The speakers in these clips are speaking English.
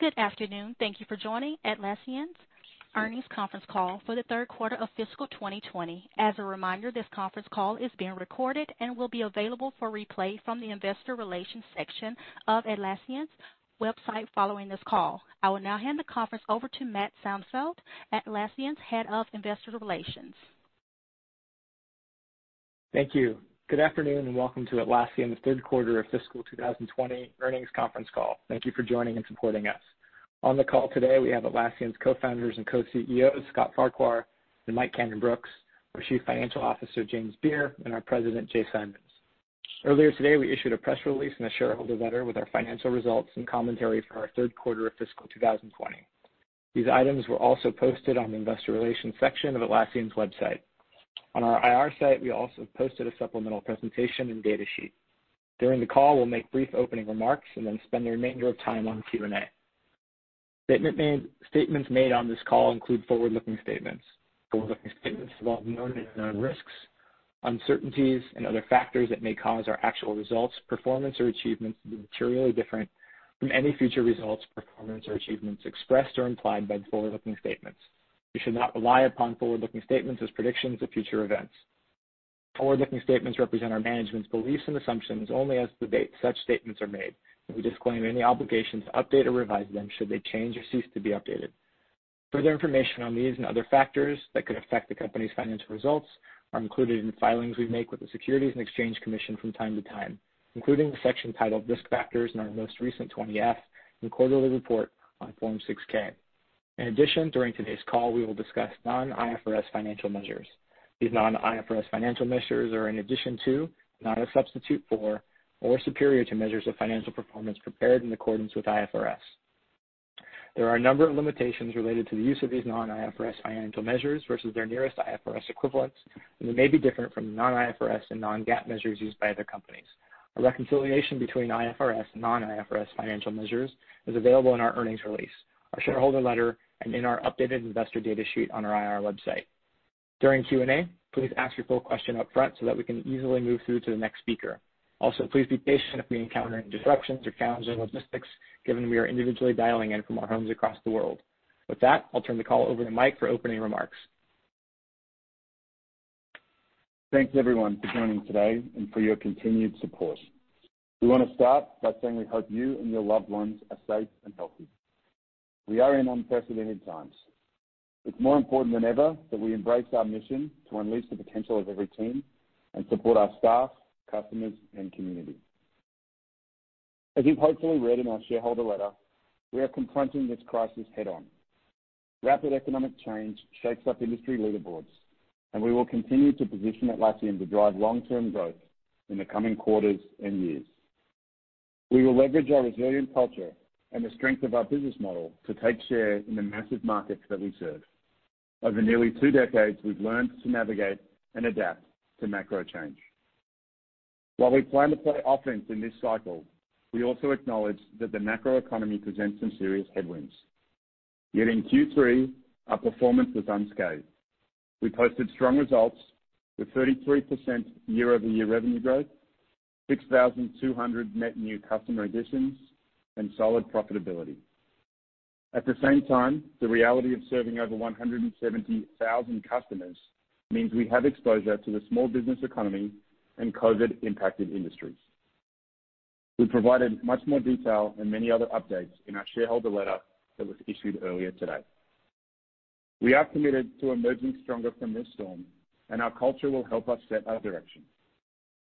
Good afternoon. Thank you for joining Atlassian's earnings conference call for the third quarter of fiscal 2020. As a reminder, this conference call is being recorded and will be available for replay from the investor relations section of Atlassian's website following this call. I will now hand the conference over to Matt Sonefeldt, Atlassian's Head of Investor Relations. Thank you. Good afternoon, and welcome to Atlassian's third quarter of fiscal 2020 earnings conference call. Thank you for joining and supporting us. On the call today, we have Atlassian's Co-Founders and Co-CEOs, Scott Farquhar and Mike Cannon-Brookes, our Chief Financial Officer, James Beer, and our President, Jay Simons. Earlier today, we issued a press release and a shareholder letter with our financial results and commentary for our third quarter of fiscal 2020. These items were also posted on the investor relations section of Atlassian's website. On our IR site, we also posted a supplemental presentation and data sheet. During the call, we will make brief opening remarks and then spend the remainder of time on Q&A. Statements made on this call include forward-looking statements. Forward-looking statements involve known and unknown risks, uncertainties, and other factors that may cause our actual results, performance, or achievements to be materially different from any future results, performance, or achievements expressed or implied by the forward-looking statements. You should not rely upon forward-looking statements as predictions of future events. Forward-looking statements represent our management's beliefs and assumptions only as of the date such statements are made. We disclaim any obligation to update or revise them should they change or cease to be updated. Further information on these and other factors that could affect the company's financial results are included in the filings we make with the Securities and Exchange Commission from time to time, including the section titled Risk Factors in our most recent 20-F and quarterly report on Form 6-K. In addition, during today's call, we will discuss non-IFRS financial measures. These non-IFRS financial measures are in addition to, not a substitute for, or superior to measures of financial performance prepared in accordance with IFRS. There are a number of limitations related to the use of these non-IFRS financial measures versus their nearest IFRS equivalents, and they may be different from non-IFRS and non-GAAP measures used by other companies. A reconciliation between IFRS and non-IFRS financial measures is available in our earnings release, our shareholder letter, and in our updated investor data sheet on our IR website. During Q&A, please ask your full question up front so that we can easily move through to the next speaker. Also, please be patient if we encounter any disruptions or calendar logistics, given we are individually dialing in from our homes across the world. With that, I'll turn the call over to Mike for opening remarks. Thanks, everyone, for joining today and for your continued support. We want to start by saying we hope you and your loved ones are safe and healthy. We are in unprecedented times. It's more important than ever that we embrace our mission to unleash the potential of every team and support our staff, customers, and community. As you've hopefully read in our shareholder letter, we are confronting this crisis head on. Rapid economic change shakes up industry leaderboards, and we will continue to position Atlassian to drive long-term growth in the coming quarters and years. We will leverage our resilient culture and the strength of our business model to take share in the massive markets that we serve. Over nearly two decades, we've learned to navigate and adapt to macro change. While we plan to play offense in this cycle, we also acknowledge that the macro economy presents some serious headwinds. In Q3, our performance was unscathed. We posted strong results with 33% year-over-year revenue growth, 6,200 net new customer additions, and solid profitability. At the same time, the reality of serving over 170,000 customers means we have exposure to the small business economy and COVID-impacted industries. We provided much more detail and many other updates in our shareholder letter that was issued earlier today. We are committed to emerging stronger from this storm, and our culture will help us set our direction.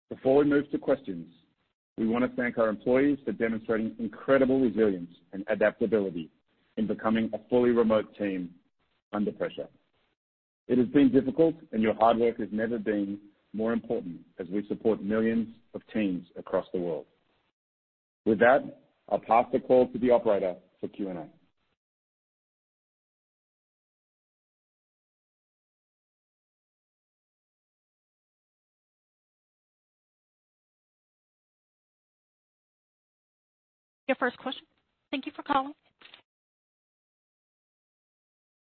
Before we move to questions, we want to thank our employees for demonstrating incredible resilience and adaptability in becoming a fully remote team under pressure. It has been difficult, and your hard work has never been more important as we support millions of teams across the world. With that, I'll pass the call to the operator for Q&A. Your first question. Thank you for calling.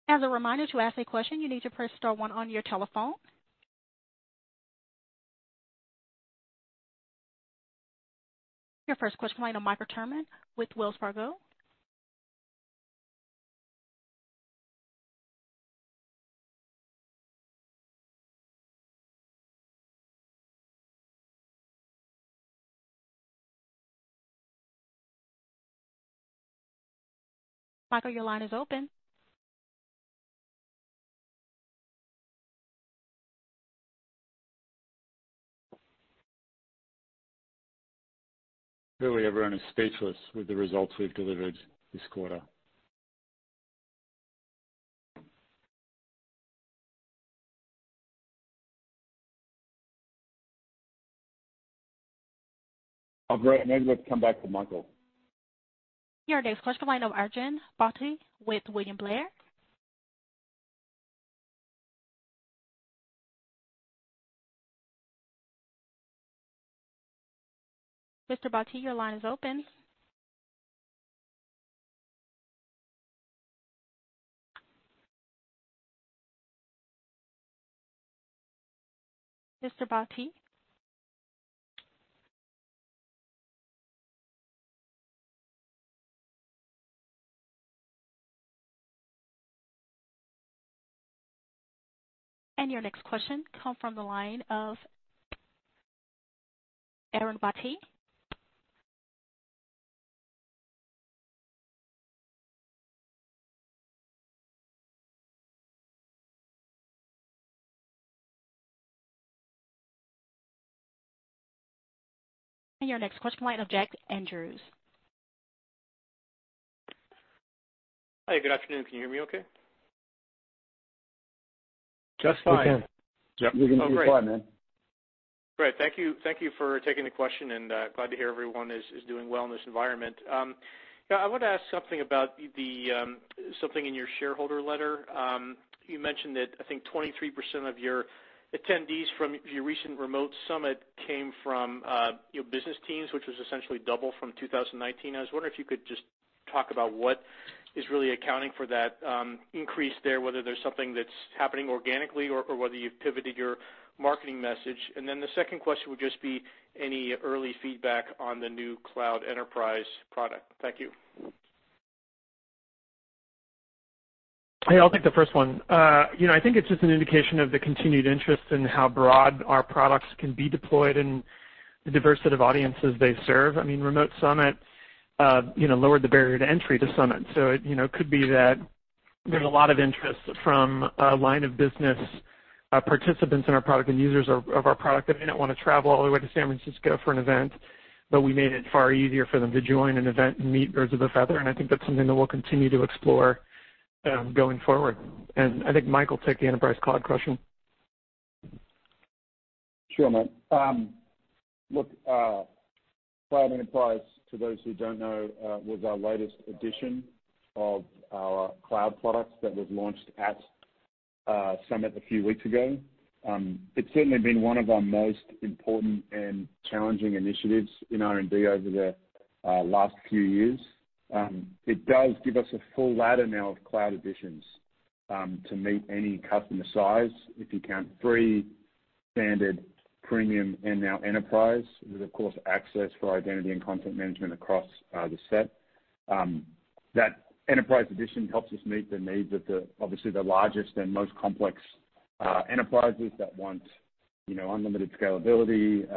As a reminder, to ask a question, you need to press star 1 on your telephone. Your first question line of Michael Turits with Wells Fargo. Michael, your line is open. Clearly, everyone is speechless with the results we've delivered this quarter. Oh, great. Maybe let's come back to Michael. Your next question line of Arjun Bhatia with William Blair. Mr. Bhatia, your line is open. Mr. Bhatia? Your next question come from the line of Arjun Bhatia. Your next question, line of Jack Andrews. Hi. Good afternoon. Can you hear me okay? Just fine. We can. Yep. We can hear you fine, man. Great. Thank you for taking the question and, glad to hear everyone is doing well in this environment. Yeah, I wanted to ask something in your shareholder letter. You mentioned that I think 23% of your attendees from your recent Remote Summit came from your business teams, which was essentially double from 2019. I was wondering if you could just talk about what is really accounting for that increase there, whether there's something that's happening organically or whether you've pivoted your marketing message. The second question would just be any early feedback on the new Cloud Enterprise product. Thank you. Hey, I'll take the first one. I think it's just an indication of the continued interest in how broad our products can be deployed and the diversity of audiences they serve. Remote Summit lowered the barrier to entry to Summit. It could be that there's a lot of interest from line of business, participants in our product and users of our product that may not want to travel all the way to San Francisco for an event, but we made it far easier for them to join an event and meet birds of a feather, and I think that's something that we'll continue to explore going forward. I think Mike will take the Enterprise Cloud question. Sure, Matt. Look, Cloud Enterprise, to those who don't know, was our latest edition of our Cloud products that was launched at Summit a few weeks ago. It's certainly been one of our most important and challenging initiatives in R&D over the last few years. It does give us a full ladder now of Cloud editions to meet any customer size, if you count three, Standard, Premium, and now Enterprise, with, of course, access for identity and content management across the set. That Enterprise edition helps us meet the needs of obviously the largest and most complex enterprises that want unlimited scalability,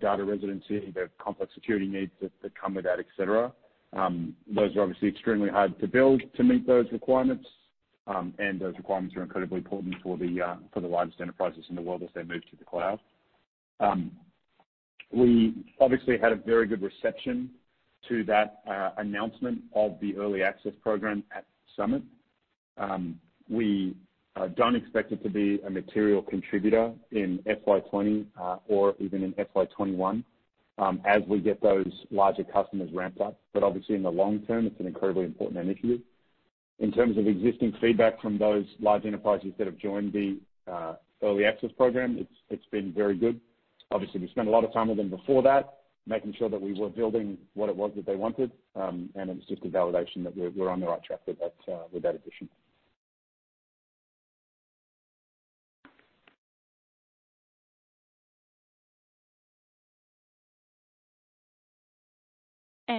data residency, the complex security needs that come with that, et cetera. Those are obviously extremely hard to build to meet those requirements. Those requirements are incredibly important for the largest enterprises in the world as they move to the Cloud. We obviously had a very good reception to that announcement of the Early Access Program at Summit. We don't expect it to be a material contributor in FY 2020, or even in FY 2021 as we get those larger customers ramped up. Obviously in the long term, it's an incredibly important initiative. In terms of existing feedback from those large enterprises that have joined the Early Access Program, it's been very good. Obviously, we spent a lot of time with them before that, making sure that we were building what it was that they wanted. It was just a validation that we're on the right track with that edition.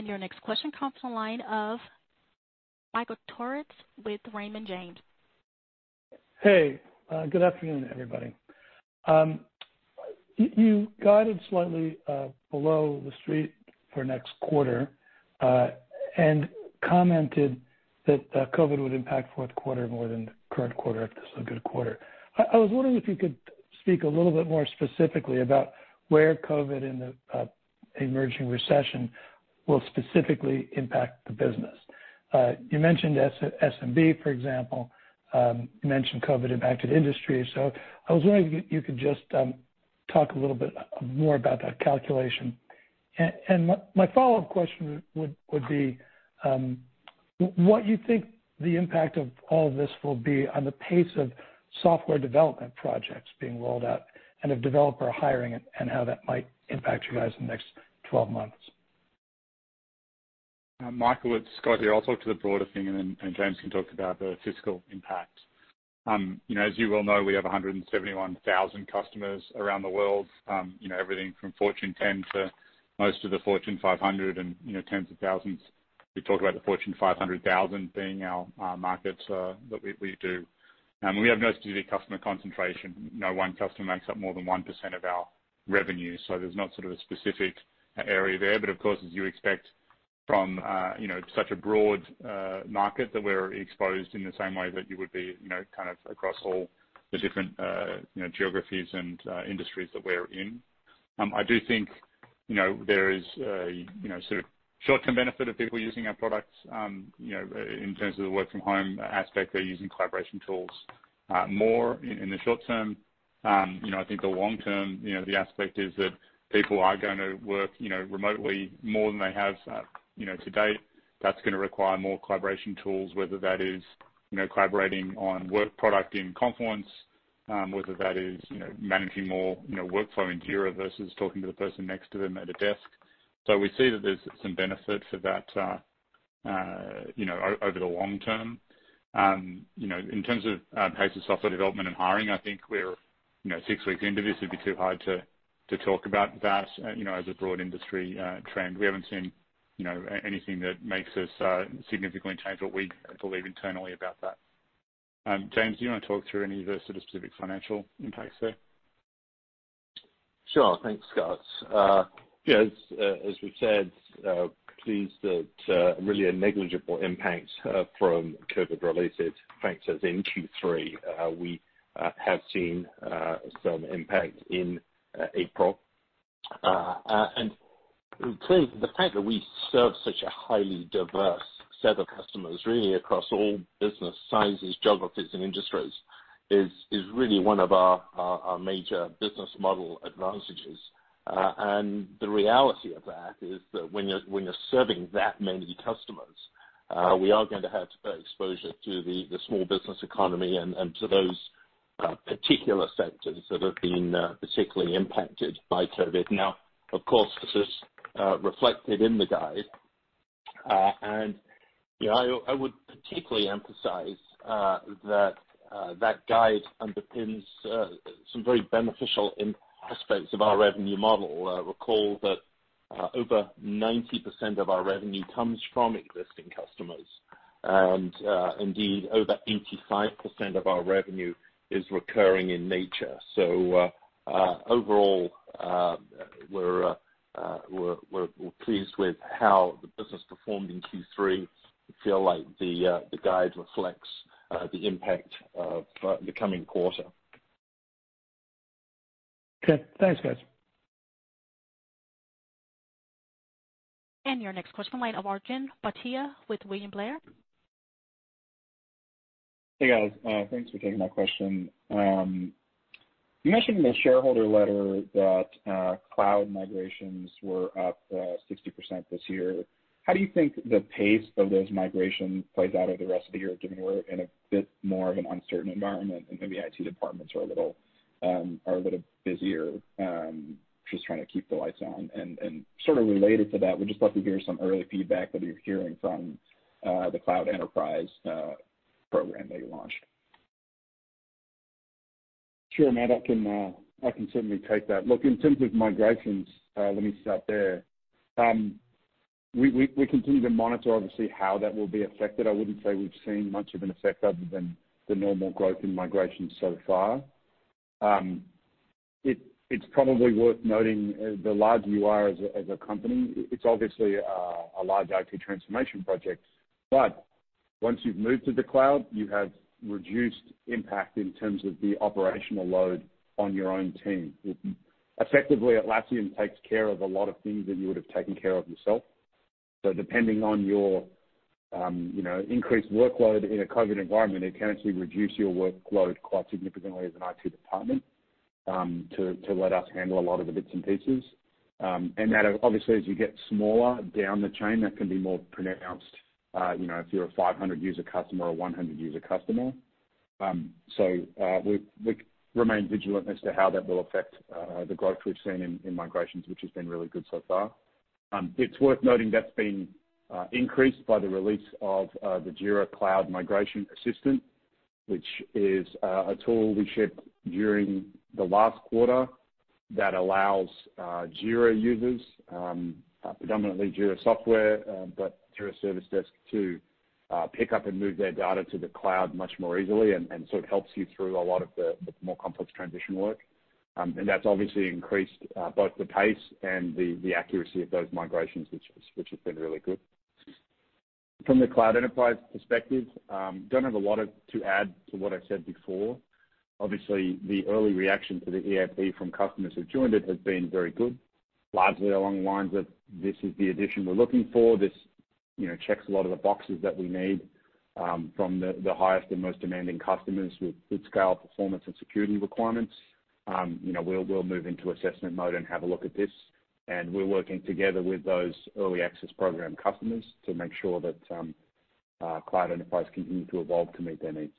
Your next question comes from the line of Michael Turrin with Raymond James. Hey, good afternoon, everybody. You guided slightly below the street for next quarter, commented that COVID would impact fourth quarter more than the current quarter if this is a good quarter. I was wondering if you could speak a little bit more specifically about where COVID and the emerging recession will specifically impact the business. You mentioned SMB, for example. You mentioned COVID impacted industries. I was wondering if you could just talk a little bit more about that calculation. My follow-up question would be what you think the impact of all of this will be on the pace of software development projects being rolled out and of developer hiring and how that might impact you guys in the next 12 months. Michael, it's Scott here. I'll talk to the broader thing, and then James can talk about the fiscal impact. As you well know, we have 171,000 customers around the world. Everything from Fortune 10 to most of the Fortune 500 and tens of thousands. We talk about the Fortune 500,000 being our markets that we do. We have no specific customer concentration. No one customer makes up more than 1% of our revenue. There's not sort of a specific area there. Of course, as you expect from such a broad market that we're exposed in the same way that you would be, kind of across all the different geographies and industries that we're in. I do think there is a sort of short-term benefit of people using our products, in terms of the work from home aspect. They're using collaboration tools more in the short term. I think the long term, the aspect is that people are going to work remotely more than they have to date. That's going to require more collaboration tools, whether that is collaborating on work product in Confluence, whether that is managing more workflow in Jira versus talking to the person next to them at a desk. We see that there's some benefit for that. Over the long term. In terms of pace of software development and hiring, I think we're six weeks into this. It'd be too hard to talk about that as a broad industry trend. We haven't seen anything that makes us significantly change what we believe internally about that. James, do you want to talk through any of the sort of specific financial impacts there? Sure. Thanks, Scott. Yeah, as we've said, pleased that really a negligible impact from COVID related factors in Q3. We have seen some impact in April. The fact that we serve such a highly diverse set of customers, really across all business sizes, geographies, and industries is really one of our major business model advantages. The reality of that is that when you're serving that many customers, we are going to have exposure to the small business economy and to those particular sectors that have been particularly impacted by COVID. Now, of course, this is reflected in the guide. I would particularly emphasize that guide underpins some very beneficial aspects of our revenue model. Recall that over 90% of our revenue comes from existing customers. Indeed, over 85% of our revenue is recurring in nature. Overall, we're pleased with how the business performed in Q3 and feel like the guide reflects the impact of the coming quarter. Okay. Thanks, guys. Your next question line of Arjun Bhatia with William Blair. Hey, guys. Thanks for taking my question. You mentioned in the shareholder letter that Cloud migrations were up 60% this year. How do you think the pace of those migrations plays out over the rest of the year, given we're in a bit more of an uncertain environment and maybe IT departments are a little busier just trying to keep the lights on? Sort of related to that, would just love to hear some early feedback that you're hearing from the Cloud Enterprise program that you launched. Sure, Matt, I can certainly take that. Look, in terms of migrations, let me start there. We continue to monitor, obviously, how that will be affected. I wouldn't say we've seen much of an effect other than the normal growth in migration so far. It's probably worth noting the large you are as a company. It's obviously a large IT transformation project, but once you've moved to the Cloud, you have reduced impact in terms of the operational load on your own team. Effectively, Atlassian takes care of a lot of things that you would have taken care of yourself. Depending on your increased workload in a COVID environment, it can actually reduce your workload quite significantly as an IT department, to let us handle a lot of the bits and pieces. That obviously, as you get smaller down the chain, that can be more pronounced, if you're a 500-user customer or 100-user customer. We remain vigilant as to how that will affect the growth we've seen in migrations, which has been really good so far. It's worth noting that's been increased by the release of the Jira Cloud Migration Assistant, which is a tool we shipped during the last quarter that allows Jira users, predominantly Jira Software, but Jira Services to pick up and move their data to the Cloud much more easily. It helps you through a lot of the more complex transition work. That's obviously increased both the pace and the accuracy of those migrations, which has been really good. From the Cloud Enterprise perspective, don't have a lot to add to what I said before. Obviously, the early reaction to the EAP from customers who've joined it has been very good. Largely along the lines of, "This is the addition we're looking for. This checks a lot of the boxes that we need from the highest and most demanding customers with good scale, performance, and security requirements. We'll move into assessment mode and have a look at this." We're working together with those early access program customers to make sure that Cloud Enterprise continues to evolve to meet their needs.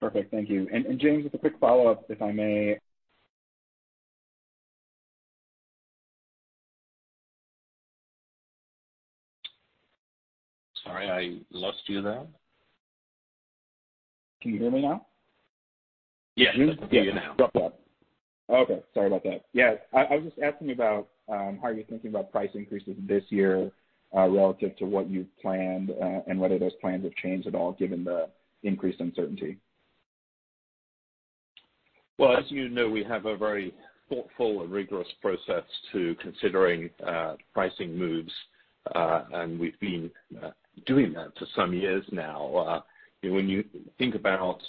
Perfect. Thank you. James, just a quick follow-up, if I may. Sorry, I lost you there. Can you hear me now? Yes, I can hear you now. Yeah. Dropped off. Okay. Sorry about that. Yeah, I was just asking about how are you thinking about price increases this year relative to what you've planned, and whether those plans have changed at all given the increased uncertainty? Well, as you know, we have a very thoughtful and rigorous process to considering pricing moves, and we've been doing that for some years now. When you think about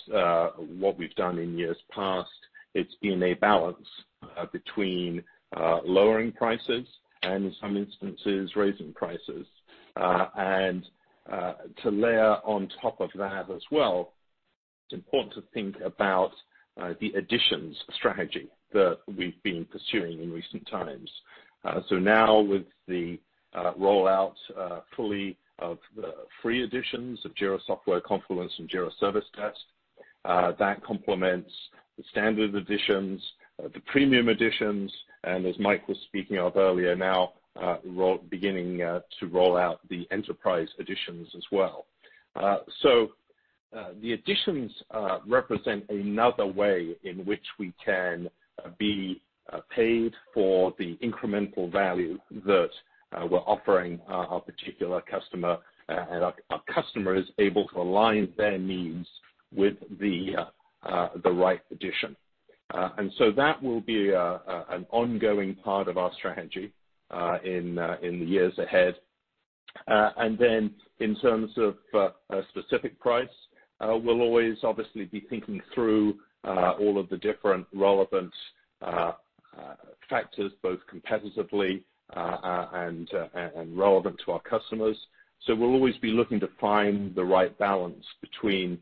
what we've done in years past, it's been a balance between lowering prices and, in some instances, raising prices. To layer on top of that as well, it's important to think about the editions strategy that we've been pursuing in recent times. Now with the rollout fully of the Free editions of Jira Software, Confluence, and Jira Service Desk. That complements the Standard editions, the Premium editions, and as Mike was speaking of earlier now, we're beginning to roll out the Enterprise editions as well. The editions represent another way in which we can be paid for the incremental value that we're offering our particular customer, and our customer is able to align their needs with the right edition. That will be an ongoing part of our strategy in the years ahead. In terms of a specific price, we'll always obviously be thinking through all of the different relevant factors, both competitively and relevant to our customers. We'll always be looking to find the right balance between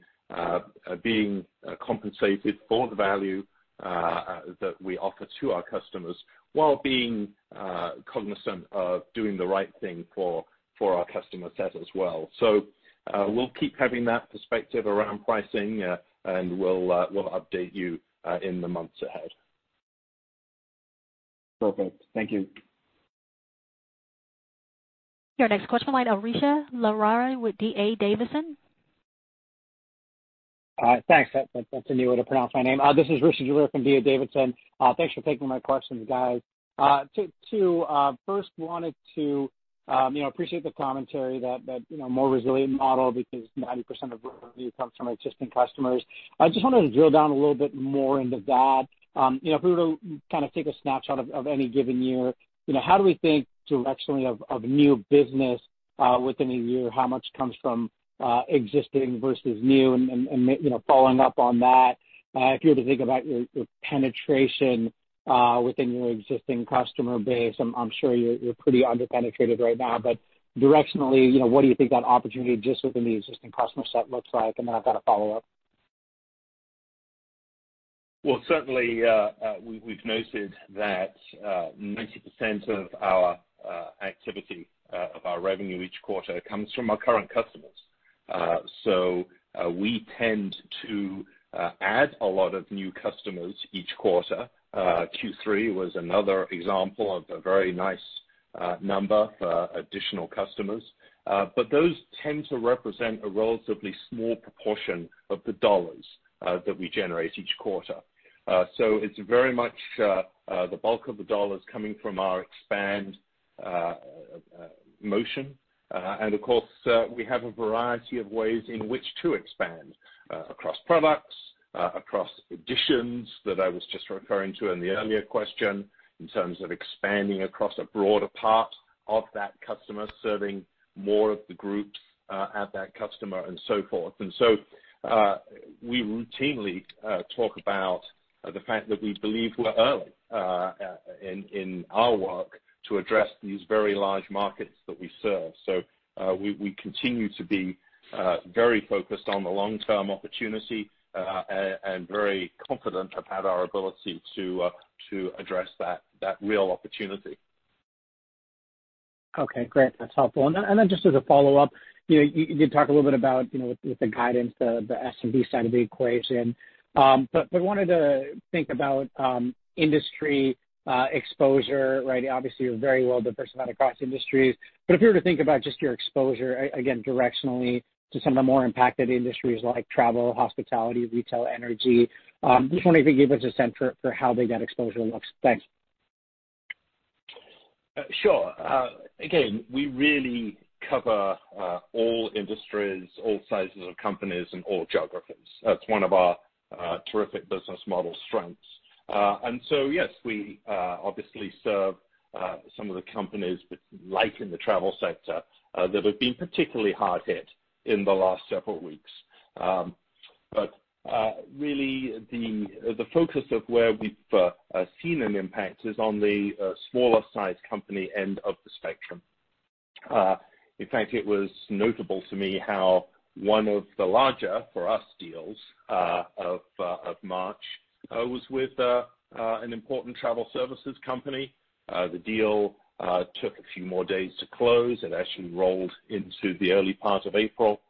being compensated for the value that we offer to our customers while being cognizant of doing the right thing for our customer set as well. We'll keep having that perspective around pricing, and we'll update you in the months ahead. Perfect. Thank you. Your next question, Rishi Jaluria with DA Davidson. Thanks. That's a new way to pronounce my name. This is Rishi Jaluria from DA Davidson. Thanks for taking my questions, guys. Two, first wanted to appreciate the commentary that more resilient model because 90% of revenue comes from existing customers. I just wanted to drill down a little bit more into that. If we were to take a snapshot of any given year, how do we think directionally of new business within a year? How much comes from existing versus new? Following up on that, if you were to think about your penetration within your existing customer base, I'm sure you're pretty under-penetrated right now. Directionally, what do you think that opportunity just within the existing customer set looks like? Then I've got a follow-up. Certainly, we've noted that 90% of our activity of our revenue each quarter comes from our current customers. We tend to add a lot of new customers each quarter. Q3 was another example of a very nice number for additional customers. Those tend to represent a relatively small proportion of the dollars that we generate each quarter. It's very much the bulk of the dollars coming from our expand motion. Of course, we have a variety of ways in which to expand, across products, across editions that I was just referring to in the earlier question, in terms of expanding across a broader part of that customer, serving more of the groups at that customer, and so forth. We routinely talk about the fact that we believe we're early in our work to address these very large markets that we serve. We continue to be very focused on the long-term opportunity and very confident about our ability to address that real opportunity. Okay, great. That's helpful. Just as a follow-up, you did talk a little bit about with the guidance, the SMB side of the equation. Wanted to think about industry exposure, right? Obviously, you're very well diversified across industries. If we were to think about just your exposure, again, directionally to some of the more impacted industries like travel, hospitality, retail, energy, just wondering if you could give us a sense for how big that exposure looks. Thanks. Sure. Again, we really cover all industries, all sizes of companies, and all geographies. That's one of our terrific business model strengths. Yes, we obviously serve some of the companies like in the travel sector that have been particularly hard hit in the last several weeks. Really, the focus of where we've seen an impact is on the smaller size company end of the spectrum. In fact, it was notable to me how one of the larger, for us, deals of March was with an important travel services company. The deal took a few more days to close. It actually rolled into the early part of April.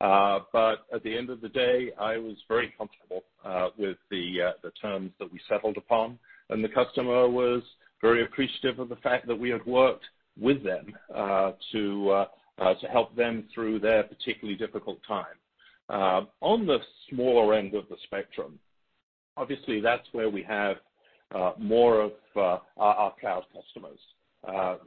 At the end of the day, I was very comfortable with the terms that we settled upon, and the customer was very appreciative of the fact that we had worked with them to help them through their particularly difficult time. On the smaller end of the spectrum, obviously, that's where we have more of our Cloud customers.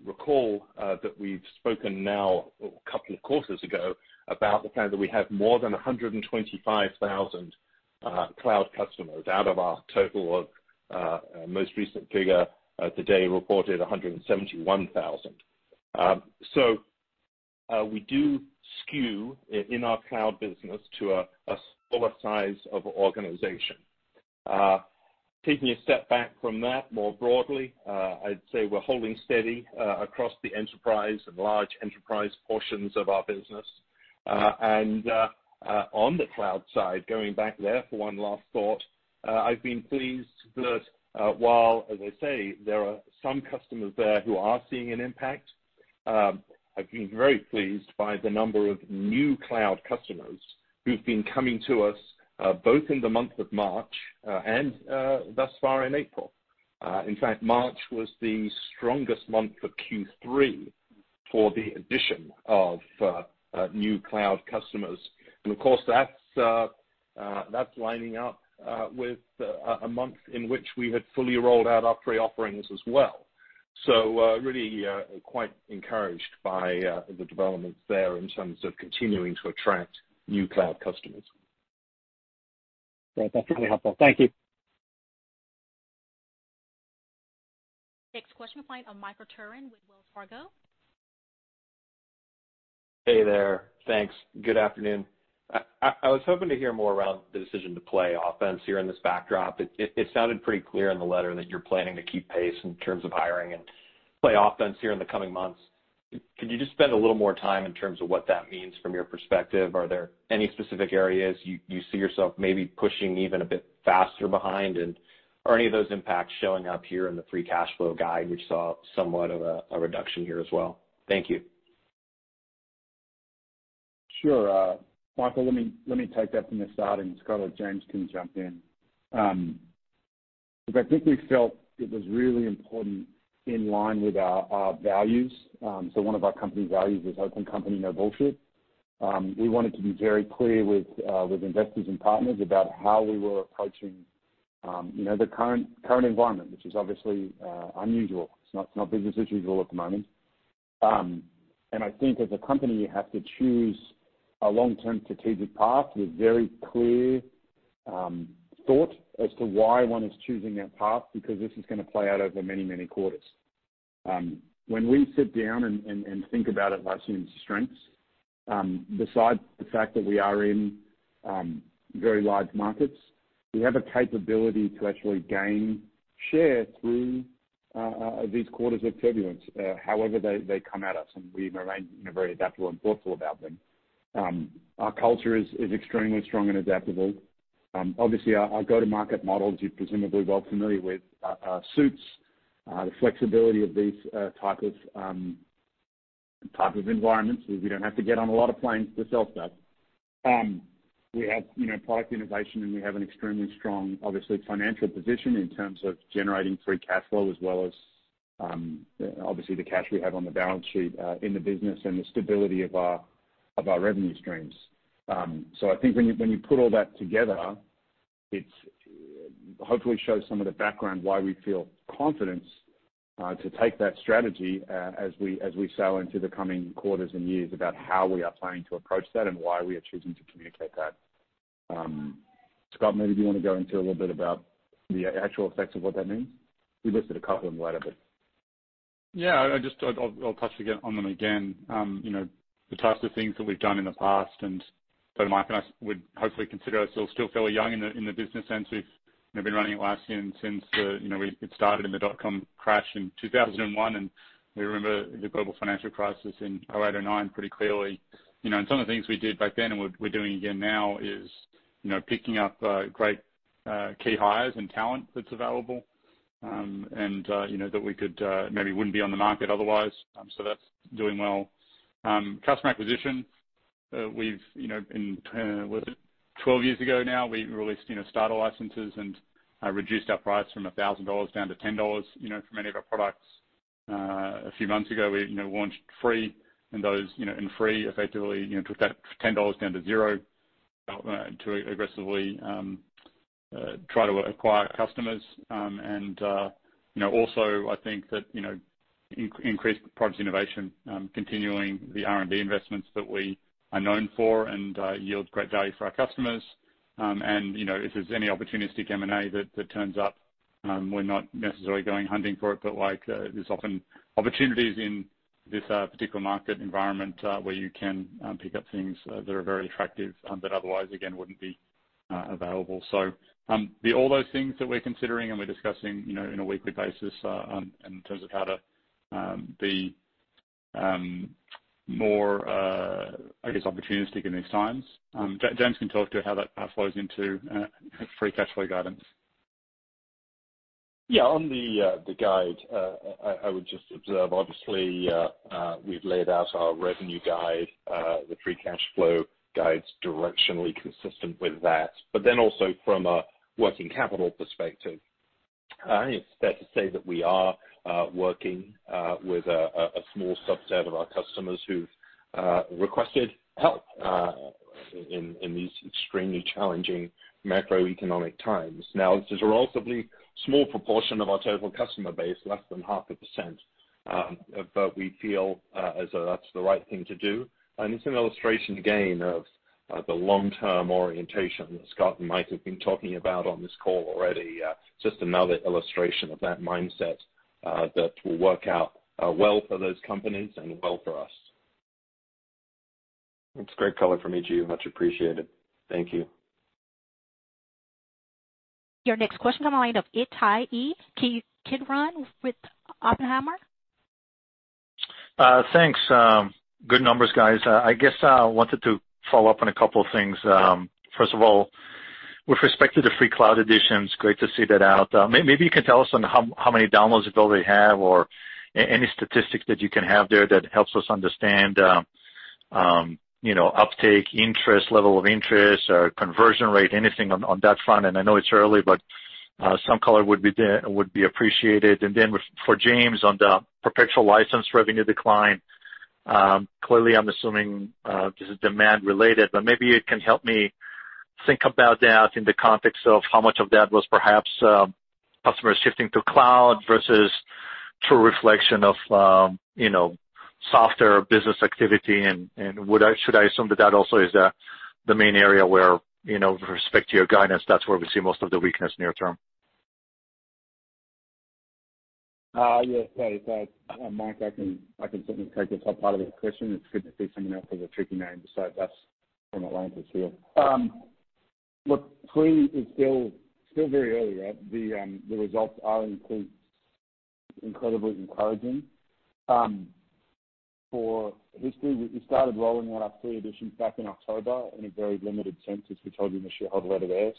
Recall that we've spoken now a couple of quarters ago about the fact that we have more than 125,000 Cloud customers out of our total of most recent figure today reported 171,000. We do SKU to a smaller size of organization. Taking a step back from that more broadly, I'd say we're holding steady across the Enterprise and large Enterprise portions of our business. On the Cloud side, going back there for one last thought, I've been pleased that while, as I say, there are some customers there who are seeing an impact. I've been very pleased by the number of new Cloud customers who've been coming to us both in the month of March and thus far in April. In fact, March was the strongest month for Q3 for the addition of new Cloud customers. Of course, that's lining up with a month in which we had fully rolled out our Free offerings as well. Really quite encouraged by the developments there in terms of continuing to attract new Cloud customers. Great. That's really helpful. Thank you. Next question comes from Michael Turrin with Wells Fargo. Hey there. Thanks. Good afternoon. I was hoping to hear more around the decision to play offense here in this backdrop. It sounded pretty clear in the letter that you're planning to keep pace in terms of hiring and play offense here in the coming months. Could you just spend a little more time in terms of what that means from your perspective? Are there any specific areas you see yourself maybe pushing even a bit faster behind? Are any of those impacts showing up here in the free cash flow guide? We saw somewhat of a reduction here as well. Thank you. Sure. Michael, let me take that from the start, and Scott or James can jump in. I think we felt it was really important in line with our values. One of our company values is "Open company, no bullshit." We wanted to be very clear with investors and partners about how we were approaching the current environment, which is obviously unusual. It's not business as usual at the moment. I think as a company, you have to choose a long-term strategic path with very clear thought as to why one is choosing that path, because this is going to play out over many, many quarters. When we sit down and think about Atlassian's strengths, besides the fact that we are in very large markets, we have a capability to actually gain share through these quarters of turbulence however they come at us, and we remain very adaptable and thoughtful about them. Our culture is extremely strong and adaptable. Obviously, our go-to market models, you're presumably well familiar with, are suited. The flexibility of these type of environments, we don't have to get on a lot of planes to sell stuff. We have product innovation, and we have an extremely strong, obviously, financial position in terms of generating free cash flow, as well as obviously the cash we have on the balance sheet in the business and the stability of our revenue streams. I think when you put all that together, it hopefully shows some of the background why we feel confidence to take that strategy as we sail into the coming quarters and years about how we are planning to approach that and why we are choosing to communicate that. Scott, maybe do you want to go into a little bit about the actual effects of what that means? We listed a couple in the letter, but. Yeah, I'll touch on them again. The types of things that we've done in the past, and both Mike and I would hopefully consider ourselves still fairly young in the business sense. We've been running Atlassian since it started in the dot-com crash in 2001, and we remember the global financial crisis in 2008, 2009 pretty clearly. Some of the things we did back then and we're doing again now is picking up great key hires and talent that's available, and that maybe wouldn't be on the market otherwise. Customer acquisition. Was it 12 years ago now? We released starter licenses and reduced our price from $1,000 down to $10 for many of our products. A few months ago, we launched Free and those in Free effectively took that $10 down to zero to aggressively try to acquire customers. Also, I think that increased product innovation, continuing the R&D investments that we are known for and yield great value for our customers. If there's any opportunistic M&A that turns up, we're not necessarily going hunting for it, but there's often opportunities in this particular market environment where you can pick up things that are very attractive that otherwise, again, wouldn't be available. All those things that we're considering and we're discussing in a weekly basis in terms of how to be more, I guess, opportunistic in these times. James can talk to how that flows into free cash flow guidance. On the guide, I would just observe, obviously, we've laid out our revenue guide, the free cash flow guide's directionally consistent with that. Also from a working capital perspective, I think it's fair to say that we are working with a small subset of our customers who've requested help in these extremely challenging macroeconomic times. This is a relatively small proportion of our total customer base, less than half a percent, but we feel as though that's the right thing to do. It's an illustration, again, of the long-term orientation that Scott and Mike have been talking about on this call already. Just another illustration of that mindset that will work out well for those companies and well for us. That's great color from each of you. Much appreciated. Thank you. Your next question comes on the line of Ittai Kidron with Oppenheimer. Thanks. Good numbers, guys. I guess I wanted to follow up on a couple of things. With respect to the Free Cloud editions, great to see that out. Maybe you can tell us on how many downloads you've already have or any statistics that you can have there that helps us understand uptake, interest, level of interest, or conversion rate, anything on that front. I know it's early, but some color would be appreciated. For James, on the perpetual license revenue decline, clearly, I'm assuming this is demand related, but maybe you can help me think about that in the context of how much of that was perhaps customers shifting to Cloud versus true reflection of softer business activity. Should I assume that also is the main area where, with respect to your guidance, that's where we see most of the weakness near term? Yes. Thanks, it's Mike, I can certainly take the top part of your question. It's good to see someone else with a tricky name besides us from Atlassian as well. Look, Free is still very early out. The results are incredibly encouraging. For history, we started rolling out our Free edition back in October in a very limited sense, as we told you in the shareholder letter there.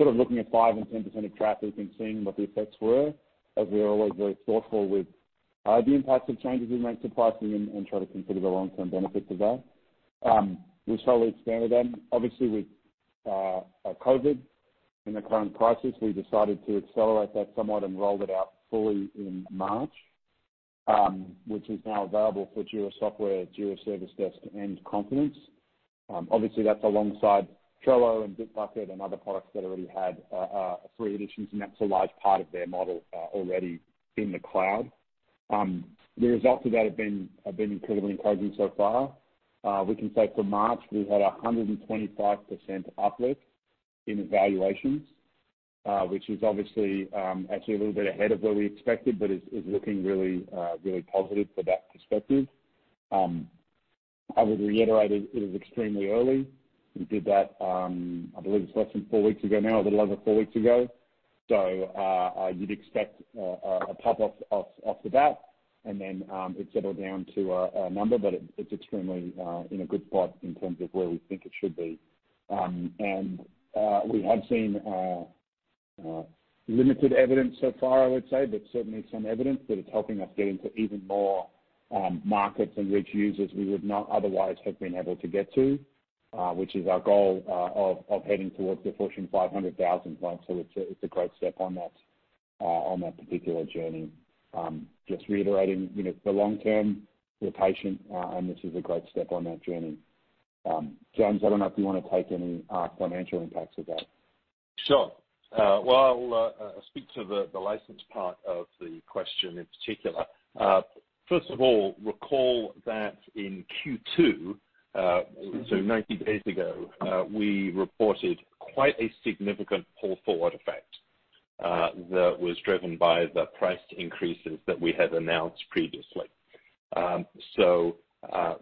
Looking at 5% and 10% of traffic and seeing what the effects were, as we are always very thoughtful with the impacts of changes we make to pricing and try to consider the long-term benefits of that. We slowly expanded them. Obviously, with COVID in the current crisis, we decided to accelerate that somewhat and rolled it out fully in March, which is now available for Jira Software, Jira Service Management, and Confluence. Obviously, that's alongside Trello and Bitbucket and other products that already had free editions, that's a large part of their model already in the Cloud. The results of that have been incredibly encouraging so far. We can say for March, we've had 125% uplift in evaluations, which is obviously actually a little bit ahead of where we expected, but is looking really positive for that perspective. I would reiterate it is extremely early. We did that, I believe it's less than four weeks ago now, a little over four weeks ago. You'd expect a pop-off of that, and then it settle down to a number, but it's extremely in a good spot in terms of where we think it should be. We have seen limited evidence so far, I would say, but certainly some evidence that it's helping us get into even more markets and reach users we would not otherwise have been able to get to, which is our goal of heading towards the Fortune 500,000 clients. It's a great step on that particular journey. Just reiterating, for the long term, we're patient, and this is a great step on that journey. James, I don't know if you want to take any financial impacts of that. Well, I'll speak to the license part of the question in particular. First of all, recall that in Q2, so 90 days ago, we reported quite a significant pull forward effect that was driven by the price increases that we had announced previously.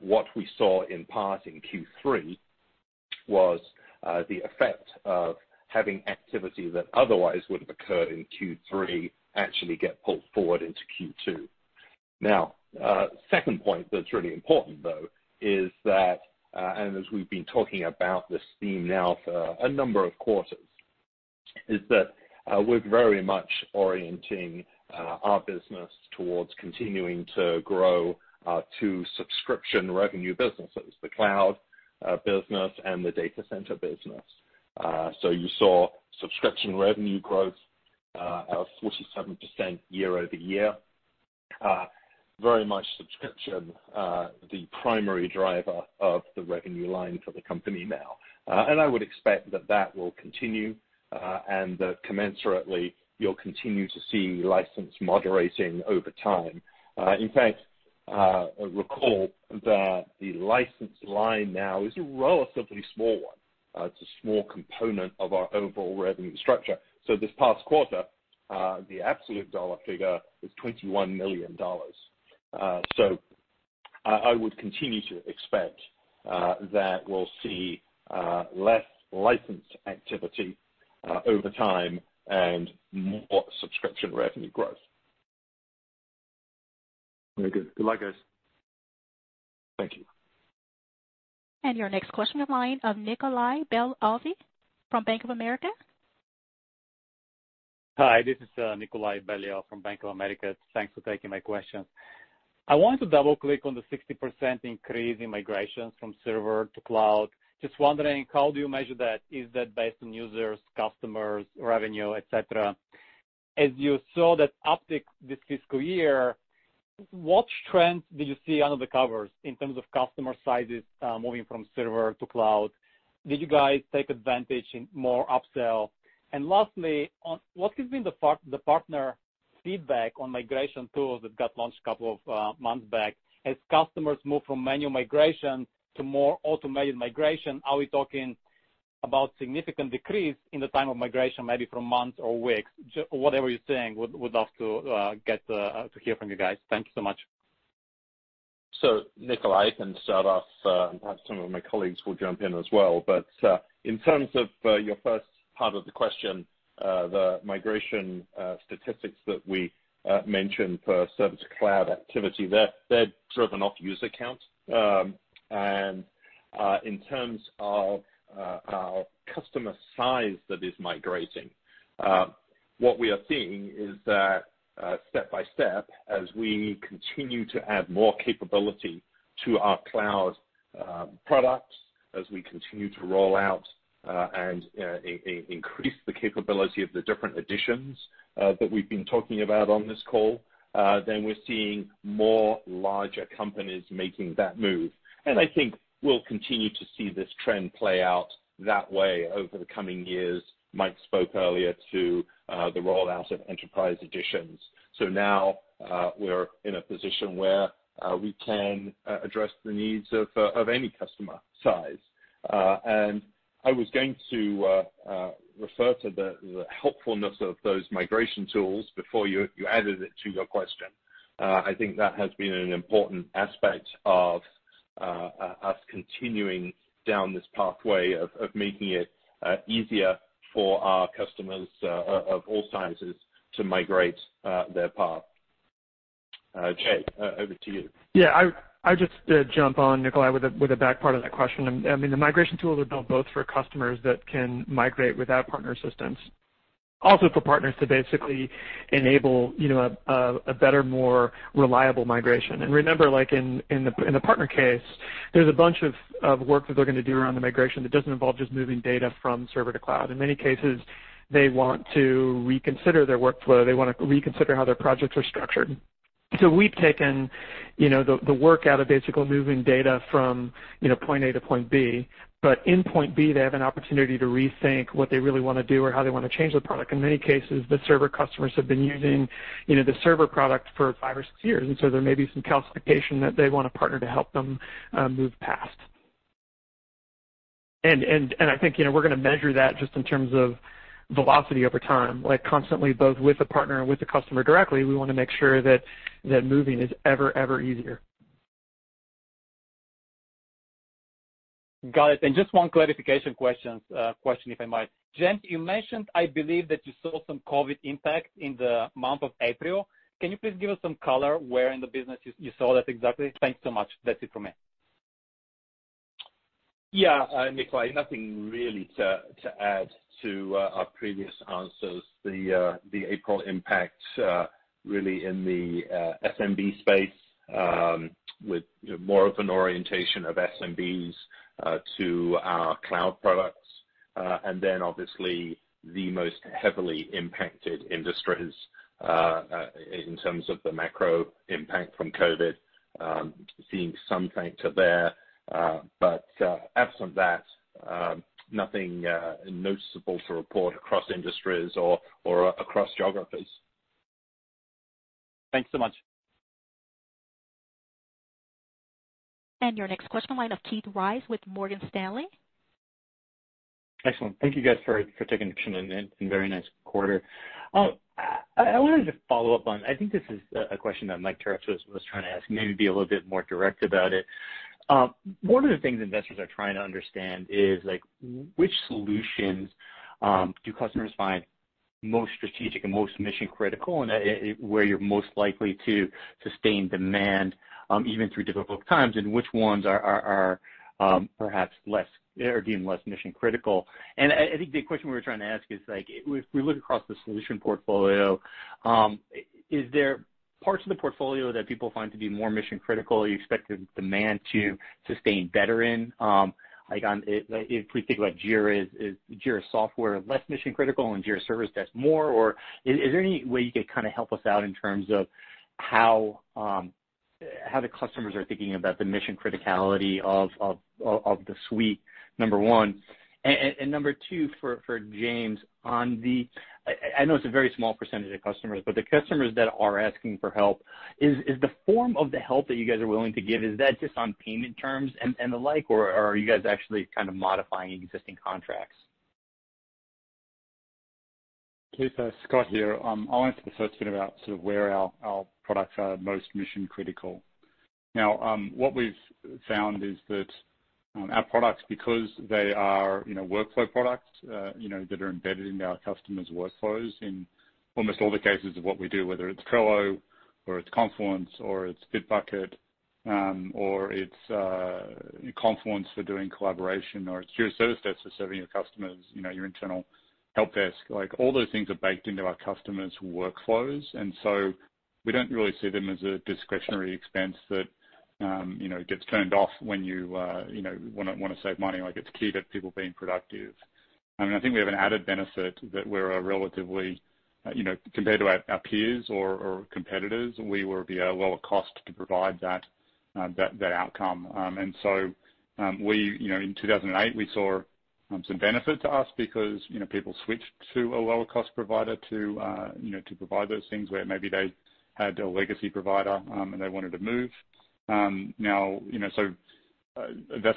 What we saw in part in Q3 was the effect of having activity that otherwise would've occurred in Q3 actually get pulled forward into Q2. Second point that's really important, though, is that as we've been talking about this theme now for a number of quarters, is that we're very much orienting our business towards continuing to grow to subscription revenue businesses, the Cloud business and the Data Center business. You saw subscription revenue growth of 47% year-over-year, very much subscription the primary driver of the revenue line for the company now. I would expect that that will continue, and that commensurately you'll continue to see license moderating over time. Recall that the license line now is a relatively small one. It's a small component of our overall revenue structure. This past quarter, the absolute dollar figure is $21 million. I would continue to expect that we'll see less license activity over time and more subscription revenue growth. Very good. Good luck, guys. Thank you. Your next question on the line of Nikolay Beliov from Bank of America. Hi, this is Nikolay Beliov from Bank of America. Thanks for taking my questions. I want to double-click on the 60% increase in migrations from Server to Cloud. Just wondering, how do you measure that? Is that based on users, customers, revenue, et cetera? As you saw that uptick this fiscal year, what trends did you see under the covers in terms of customer sizes moving from Server to Cloud? Did you guys take advantage in more upsell? Lastly, what has been the partner feedback on migration tools that got launched a couple of months back? As customers move from manual migration to more automated migration, are we talking about significant decrease in the time of migration, maybe from months or weeks? Whatever you're seeing, would love to hear from you guys. Thank you so much. Nikolay, I can start off, and perhaps some of my colleagues will jump in as well. In terms of your first part of the question, the migration statistics that we mentioned for Server's Cloud activity, they're driven off user counts. In terms of our customer size that is migrating, what we are seeing is that step by step, as we continue to add more capability to our Cloud products, as we continue to roll out and increase the capability of the different editions that we've been talking about on this call, we're seeing more larger companies making that move. I think we'll continue to see this trend play out that way over the coming years. Mike spoke earlier to the rollout of Enterprise editions. Now we're in a position where we can address the needs of any customer size. I was going to refer to the helpfulness of those migration tools before you added it to your question. I think that has been an important aspect of us continuing down this pathway of making it easier for our customers of all sizes to migrate their part. Jay, over to you. Yeah. I'll just jump on, Nikolay, with the back part of that question. The migration tools are built both for customers that can migrate without partner assistance, also for partners to basically enable a better, more reliable migration. Remember, in the partner case, there's a bunch of work that they're going to do around the migration that doesn't involve just moving data from Server to Cloud. In many cases, they want to reconsider their workflow. They want to reconsider how their projects are structured. We've taken the work out of basically moving data from point A to point B, but in point B, they have an opportunity to rethink what they really want to do or how they want to change the product. In many cases, the Server customers have been using the Server product for five or six years. There may be some calcification that they want a partner to help them move past. I think we're going to measure that just in terms of velocity over time, constantly both with the partner and with the customer directly. We want to make sure that moving is ever easier. Got it. Just one clarification question, if I might. James, you mentioned, I believe, that you saw some COVID impact in the month of April. Can you please give us some color where in the business you saw that exactly? Thanks so much. That's it from me. Yeah, Nikolay, nothing really to add to our previous answers. The April impact really in the SMB space with more of an orientation of SMBs to our Cloud products. Obviously the most heavily impacted industries, in terms of the macro impact from COVID, seeing some faint to there. Absent that, nothing noticeable to report across industries or across geographies. Thanks so much. Your next question, line of Keith Weiss with Morgan Stanley. Excellent. Thank you guys for taking the time, very nice quarter. I wanted to follow up on, I think this is a question that Mike Turits was trying to ask, maybe be a little bit more direct about it. One of the things investors are trying to understand is which solutions do customers find most strategic and most mission-critical, and where you're most likely to sustain demand, even through difficult times, and which ones are perhaps deemed less mission-critical. I think the question we're trying to ask is, if we look across the solution portfolio, is there parts of the portfolio that people find to be more mission-critical, you expect the demand to sustain better in? If we think about Jira, is Jira Software less mission-critical and Jira Service Desk more? Is there any way you could kind of help us out in terms of how the customers are thinking about the mission criticality of the suite? Number one. Number two, for James, I know it's a very small percentage of customers, but the customers that are asking for help, is the form of the help that you guys are willing to give, is that just on payment terms and the like, or are you guys actually kind of modifying existing contracts? Keith, Scott here. I'll answer the first bit about sort of where our products are most mission-critical. Now, what we've found is that our products, because they are workflow products that are embedded into our customers' workflows in almost all the cases of what we do, whether it's Trello or it's Confluence or it's Bitbucket, or it's Confluence for doing collaboration or it's Jira Service Desk for serving your customers, your internal help desk, all those things are baked into our customers' workflows, and so we don't really see them as a discretionary expense that gets turned off when you want to save money. It's key to people being productive. I think we have an added benefit that we're a relatively, compared to our peers or competitors, we will be a lower cost to provide that outcome. In 2008, we saw some benefit to us because people switched to a lower-cost provider to provide those things where maybe they had a legacy provider and they wanted to move. That's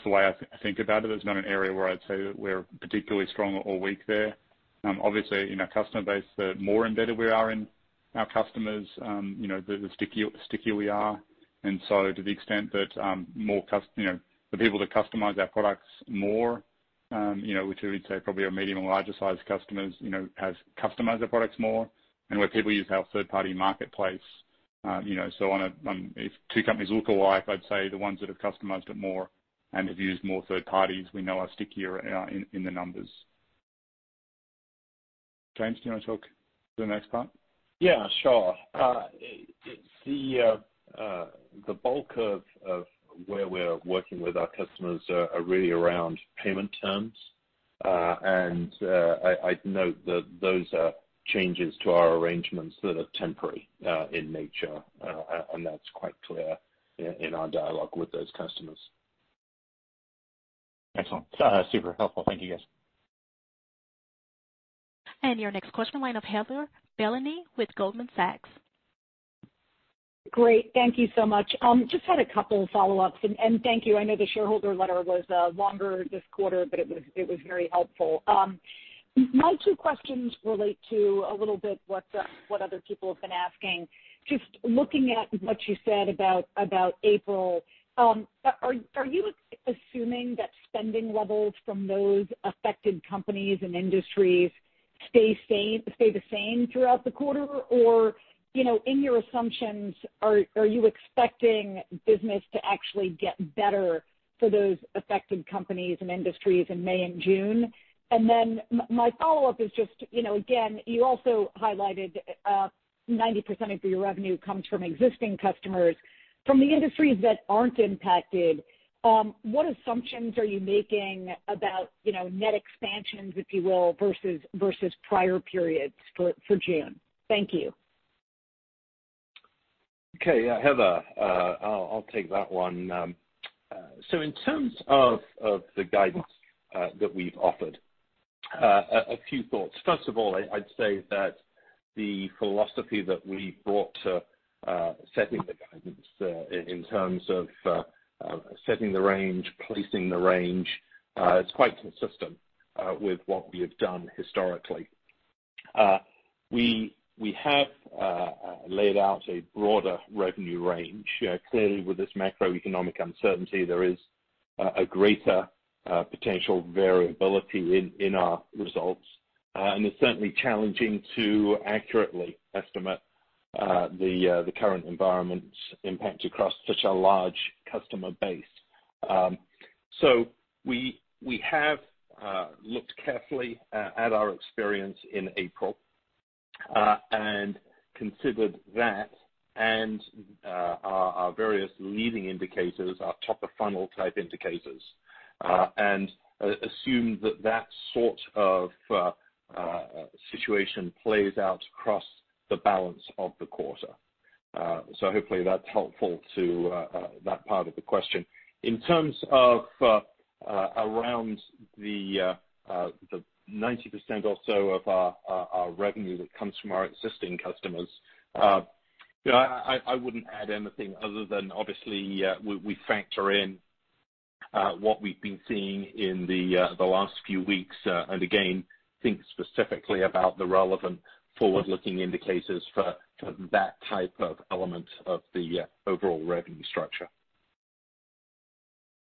the way I think about it. It's not an area where I'd say that we're particularly strong or weak there. Obviously, in our customer base, the more embedded we are in our customers, the stickier we are. To the extent that the people that customize our products more, which I would say probably are medium or larger-sized customers, have customized their products more. Where people use our third-party marketplace, if two companies look alike, I'd say the ones that have customized it more and have used more third parties we know are stickier in the numbers. James, do you want to talk to the next part? Yeah, sure. The bulk of where we're working with our customers are really around payment terms. I'd note that those are changes to our arrangements that are temporary in nature, and that's quite clear in our dialogue with those customers. Excellent. Super helpful. Thank you, guys. Your next question, line of Heather Bellini with Goldman Sachs. Great. Thank you so much. Just had a couple of follow-ups, thank you. I know the shareholder letter was longer this quarter, it was very helpful. My two questions relate to a little bit what other people have been asking. Just looking at what you said about April, are you assuming that spending levels from those affected companies and industries stay the same throughout the quarter? In your assumptions, are you expecting business to actually get better for those affected companies and industries in May and June? My follow-up is just, again, you also highlighted 90% of your revenue comes from existing customers. From the industries that aren't impacted, what assumptions are you making about net expansions, if you will, versus prior periods for June? Thank you. Okay. Yeah, Heather, I'll take that one. In terms of the guidance that we've offered, a few thoughts. First of all, I'd say that the philosophy that we brought to setting the guidance in terms of setting the range, placing the range, is quite consistent with what we have done historically. We have laid out a broader revenue range. Clearly, with this macroeconomic uncertainty, there is a greater potential variability in our results. It's certainly challenging to accurately estimate the current environment's impact across such a large customer base. We have looked carefully at our experience in April and considered that and our various leading indicators, our top-of-funnel type indicators, and assumed that sort of situation plays out across the balance of the quarter. Hopefully that's helpful to that part of the question. In terms of around the 90% or so of our revenue that comes from our existing customers, I wouldn't add anything other than obviously, we factor in what we've been seeing in the last few weeks. Again, think specifically about the relevant forward-looking indicators for that type of element of the overall revenue structure.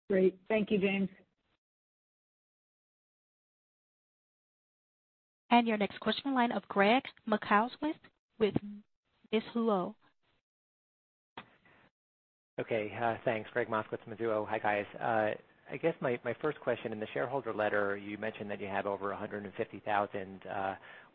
Great. Thank you, James. Your next question, line of Gregg Moskowitz with Mizuho. Okay. Thanks. Gregg Moskowitz, Mizuho. Hi, guys. I guess my first question, in the shareholder letter, you mentioned that you had over 150,000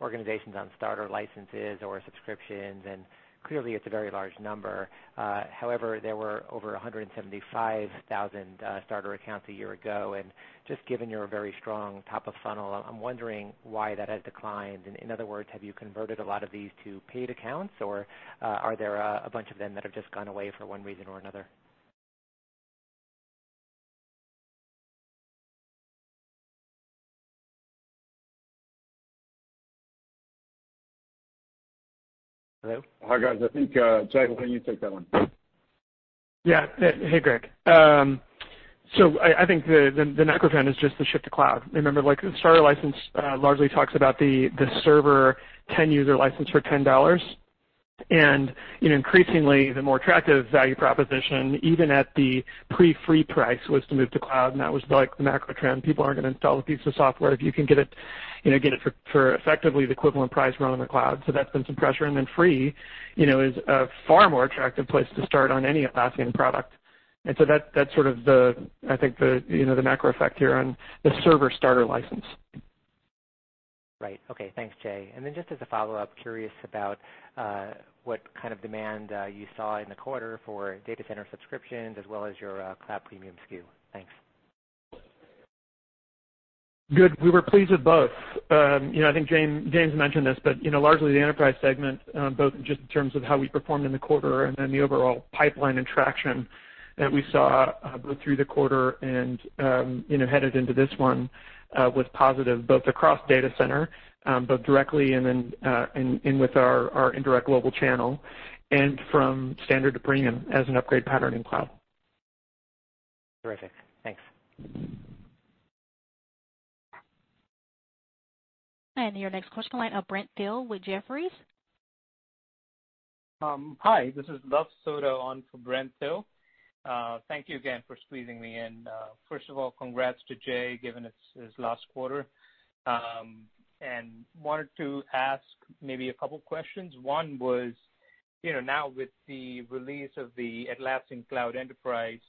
organizations on starter licenses or subscriptions, and clearly it's a very large number. However, there were over 175,000 starter accounts a year ago. Just given your very strong top of funnel, I'm wondering why that has declined. In other words, have you converted a lot of these to paid accounts, or are there a bunch of them that have just gone away for one reason or another? Hello? Hi, guys. I think, Jay, why don't you take that one? Yeah. Hey, Gregg. I think the macro trend is just the shift to Cloud. Remember, the starter license largely talks about the Server 10-user license for $10. Increasingly, the more attractive value proposition, even at the pre-Free price, was to move to Cloud, and that was the macro trend. People aren't going to install a piece of software if you can get it for effectively the equivalent price run on the Cloud. That's been some pressure. Then Free is a far more attractive place to start on any Atlassian product. So that's I think the macro effect here on the Server starter license. Right. Okay, thanks, Jay. Just as a follow-up, curious about what kind of demand you saw in the quarter for Data Center subscriptions as well as your Cloud Premium SKU. Thanks. Good. We were pleased with both. I think James mentioned this, largely the Enterprise segment, both just in terms of how we performed in the quarter and then the overall pipeline and traction that we saw both through the quarter and headed into this one, was positive both across Data Center, both directly and with our indirect global channel, and from Standard to Premium as an upgrade pattern in Cloud. Terrific. Thanks. Your next question, line of Brent Thill with Jefferies. Hi, this is Luv Sodha on for Brent Thill. Thank you again for squeezing me in. Congrats to Jay, given it's his last quarter. Wanted to ask maybe a couple questions. One was, now with the release of the Atlassian Cloud Enterprise,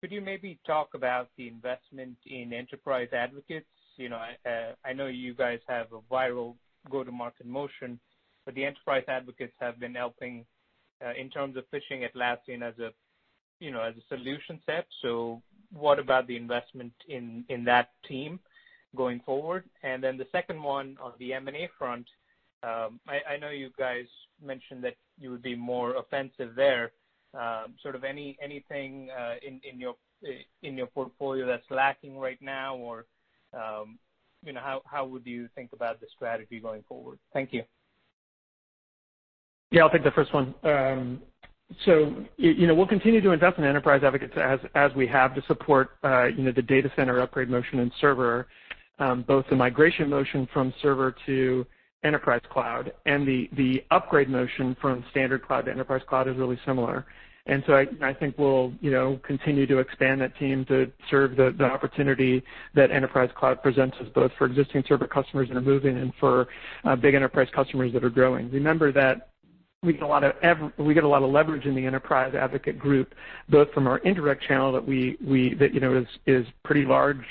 could you maybe talk about the investment in Enterprise Advocates? I know you guys have a viral go-to-market motion, but the Enterprise Advocates have been helping in terms of pitching Atlassian as a solution set. What about the investment in that team going forward? The second one on the M&A front, I know you guys mentioned that you would be more offensive there. Sort of anything in your portfolio that's lacking right now, or how would you think about the strategy going forward? Thank you. Yeah, I'll take the first one. We'll continue to invest in Enterprise Advocates as we have to support the Data Center upgrade motion and Server, both the migration motion from Server to Enterprise Cloud and the upgrade motion from Standard Cloud to Enterprise Cloud is really similar. I think we'll continue to expand that team to serve the opportunity that Enterprise Cloud presents us, both for existing Server customers that are moving and for big Enterprise customers that are growing. Remember that we get a lot of leverage in the Enterprise Advocate group, both from our indirect channel that is pretty large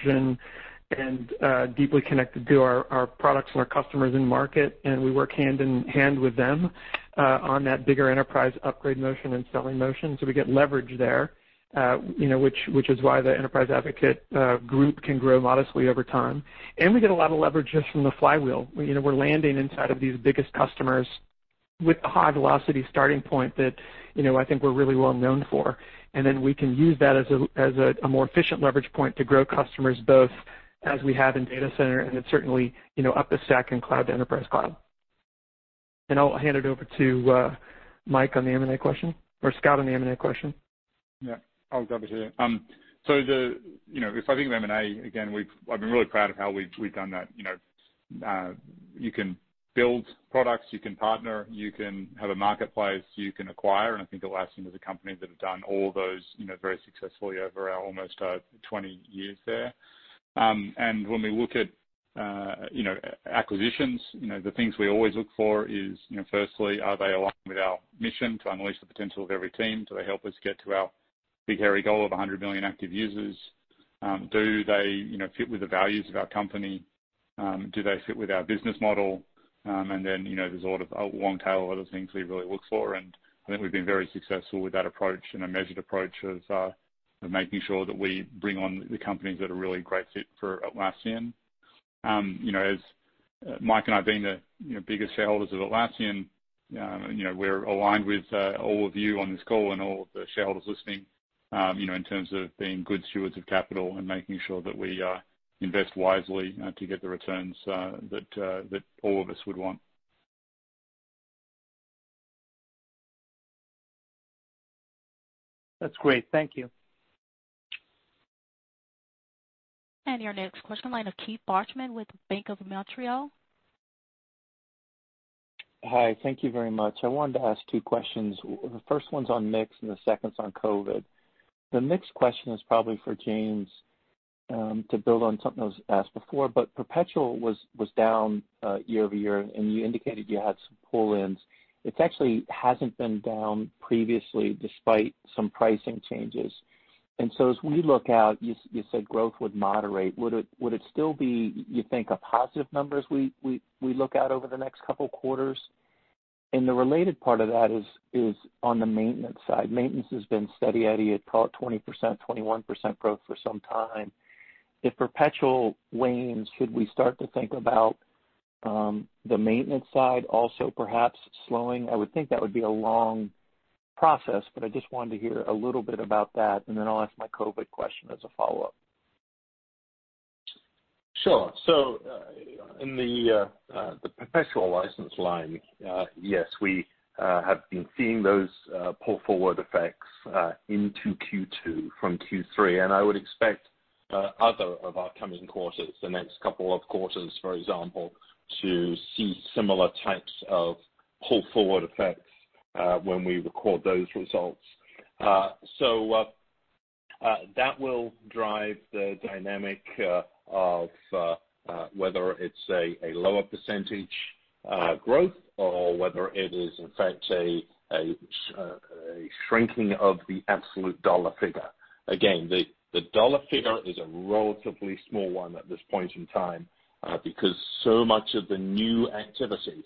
and deeply connected to our products and our customers in market, and we work hand in hand with them on that bigger Enterprise upgrade motion and selling motion. We get leverage there, which is why the Enterprise Advocate group can grow modestly over time. We get a lot of leverage just from the flywheel. We're landing inside of these biggest customers with a high-velocity starting point that I think we're really well known for. We can use that as a more efficient leverage point to grow customers, both as we have in Data Center and certainly up the stack in Cloud to Enterprise Cloud. I'll hand it over to Mike on the M&A question, or Scott on the M&A question. Yeah, I'll grab it here. If I think of M&A, again, I've been really proud of how we've done that. You can build products, you can partner, you can have a marketplace, you can acquire, and I think Atlassian is a company that have done all of those very successfully over our almost 20 years there. When we look at acquisitions, the things we always look for is firstly, are they aligned with our mission to unleash the potential of every team? Do they help us get to our big, hairy goal of 100 million active users? Do they fit with the values of our company? Do they fit with our business model? Then, there's a long tail of other things we really look for, and I think we've been very successful with that approach and a measured approach of making sure that we bring on the companies that are a really great fit for Atlassian. As Mike and I being the biggest shareholders of Atlassian, we're aligned with all of you on this call and all of the shareholders listening, in terms of being good stewards of capital and making sure that we invest wisely to get the returns that all of us would want. That's great. Thank you. Your next question, line of Keith Bachman with Bank of Montreal. Hi. Thank you very much. I wanted to ask two questions. The first one's on mix, the second's on COVID. The mix question is probably for James, to build on something that was asked before, perpetual was down year-over-year, you indicated you had some pull-ins. It actually hasn't been down previously despite some pricing changes. As we look out, you said growth would moderate. Would it still be, you think, a positive number as we look out over the next couple quarters? The related part of that is on the maintenance side. Maintenance has been steady Eddie at 20%, 21% growth for some time. If perpetual wanes, should we start to think about the maintenance side also perhaps slowing? I would think that would be a long process, but I just wanted to hear a little bit about that, and then I'll ask my COVID question as a follow-up. Sure. In the perpetual license line, yes, we have been seeing those pull-forward effects into Q2 from Q3, and I would expect other of our coming quarters, the next couple of quarters, for example, to see similar types of pull-forward effects when we record those results. That will drive the dynamic of whether it's a lower percentage growth or whether it is in fact a shrinking of the absolute dollar figure. Again, the dollar figure is a relatively small one at this point in time, because so much of the new activity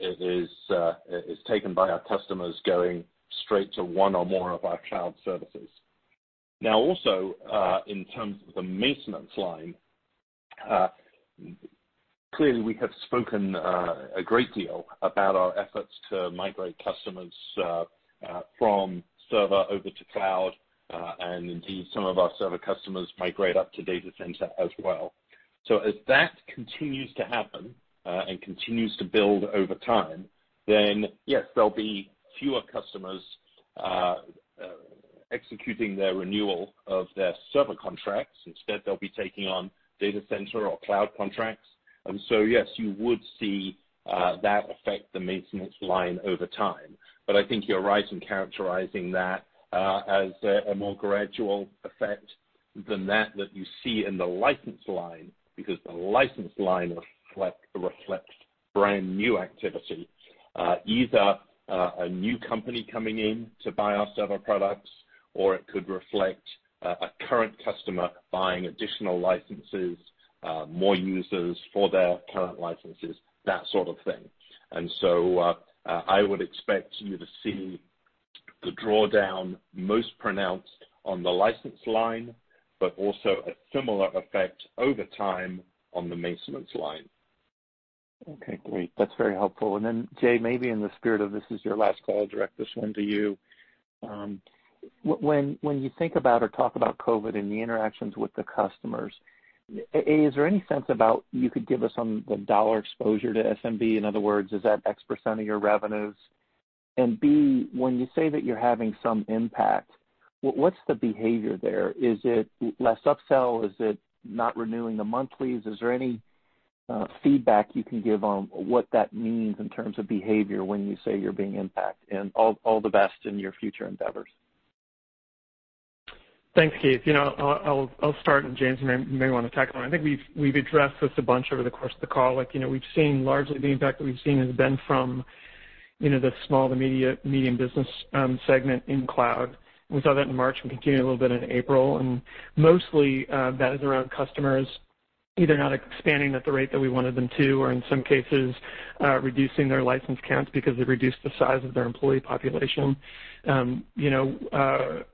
is taken by our customers going straight to one or more of our Cloud services. Also, in terms of the maintenance line, clearly we have spoken a great deal about our efforts to migrate customers from Server over to Cloud, and indeed, some of our Server customers migrate up to Data Center as well. As that continues to happen, and continues to build over time, then yes, there'll be fewer customers executing their renewal of their Server contracts. Instead, they'll be taking on Data Center or Cloud contracts. Yes, you would see that affect the maintenance line over time. I think you're right in characterizing that as a more gradual effect. Than that you see in the license line, because the license line reflects brand new activity. Either a new company coming in to buy our Server products, or it could reflect a current customer buying additional licenses, more users for their current licenses, that sort of thing. I would expect you to see the drawdown most pronounced on the license line, but also a similar effect over time on the maintenance line. Okay, great. That's very helpful. Then Jay, maybe in the spirit of this is your last call, I'll direct this one to you. When you think about or talk about COVID and the interactions with the customers, A, is there any sense about you could give us on the dollar exposure to SMB? In other words, is that x% of your revenues? B, when you say that you're having some impact, what's the behavior there? Is it less upsell? Is it not renewing the monthlies? Is there any feedback you can give on what that means in terms of behavior when you say you're being impacted? All the best in your future endeavors. Thanks, Keith. I'll start, and James may want to tackle it. I think we've addressed this a bunch over the course of the call. Largely, the impact that we've seen has been from the small-to-medium business segment in Cloud. We saw that in March and continued a little bit in April. Mostly, that is around customers either not expanding at the rate that we wanted them to, or in some cases, reducing their license counts because they've reduced the size of their employee population. On the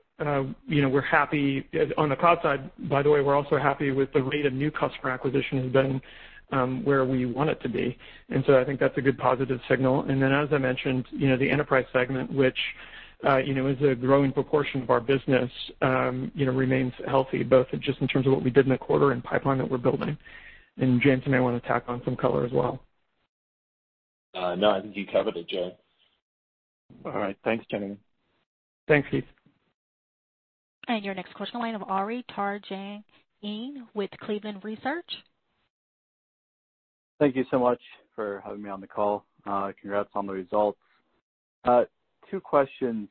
Cloud side, by the way, we're also happy with the rate of new customer acquisition has been where we want it to be. So I think that's a good positive signal. As I mentioned, the Enterprise segment, which is a growing proportion of our business, remains healthy, both just in terms of what we did in the quarter and pipeline that we're building. James may want to tack on some color as well. No, I think you covered it, Jay. All right. Thanks, gentlemen. Thanks, Keith. Your next question on the line of Ari Terjanian with Cleveland Research. Thank you so much for having me on the call. Congrats on the results. Two questions.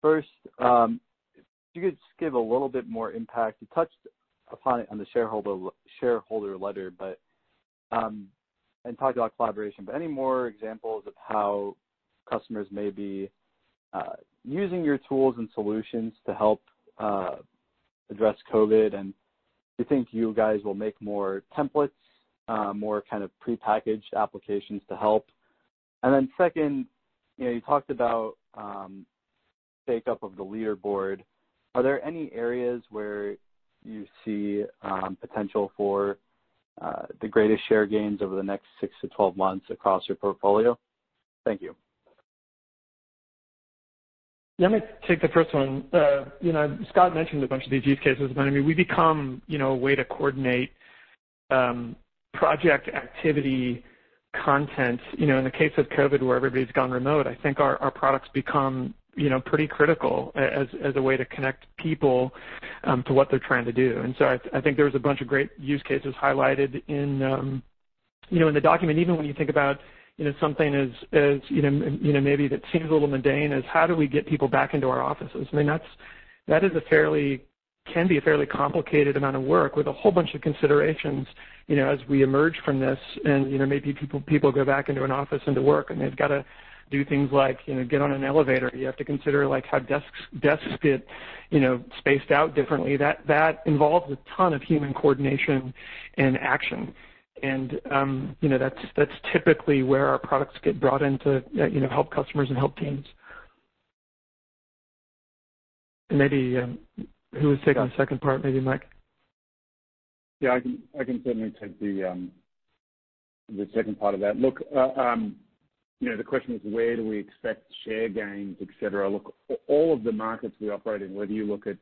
First, if you could just give a little bit more impact. You touched upon it on the shareholder letter and talked about collaboration, but any more examples of how customers may be using your tools and solutions to help address COVID? Do you think you guys will make more templates, more prepackaged applications to help? Second, you talked about take up of the leaderboard. Are there any areas where you see potential for the greatest share gains over the next 6-12 months across your portfolio? Thank you. Let me take the first one. Scott mentioned a bunch of these use cases, but I mean, we become a way to coordinate project activity content. In the case of COVID, where everybody's gone remote, I think our products become pretty critical as a way to connect people to what they're trying to do. I think there was a bunch of great use cases highlighted in the document, even when you think about something maybe that seems a little mundane as how do we get people back into our offices? I mean, that can be a fairly complicated amount of work with a whole bunch of considerations as we emerge from this and maybe people go back into an office into work and they've got to do things like get on an elevator. You have to consider how desks get spaced out differently. That involves a ton of human coordination and action. That's typically where our products get brought in to help customers and help teams. Maybe who was taking the second part? Maybe Mike. Yeah, I can certainly take the second part of that. Look, the question is where do we expect share gains, et cetera? Look, all of the markets we operate in, whether you look at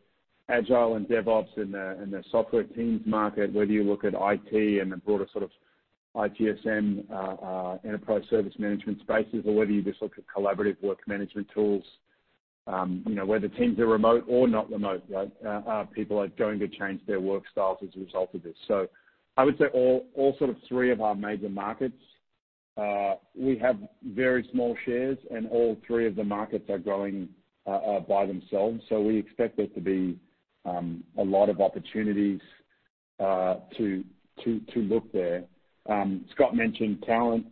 Agile and DevOps and the software teams market, whether you look at IT and the broader sort of ITSM enterprise service management spaces, or whether you just look at collaborative work management tools, whether teams are remote or not remote, people are going to change their work styles as a result of this. I would say all sort of three of our major markets, we have very small shares, and all three of the markets are growing by themselves. We expect there to be a lot of opportunities to look there. Scott mentioned talent.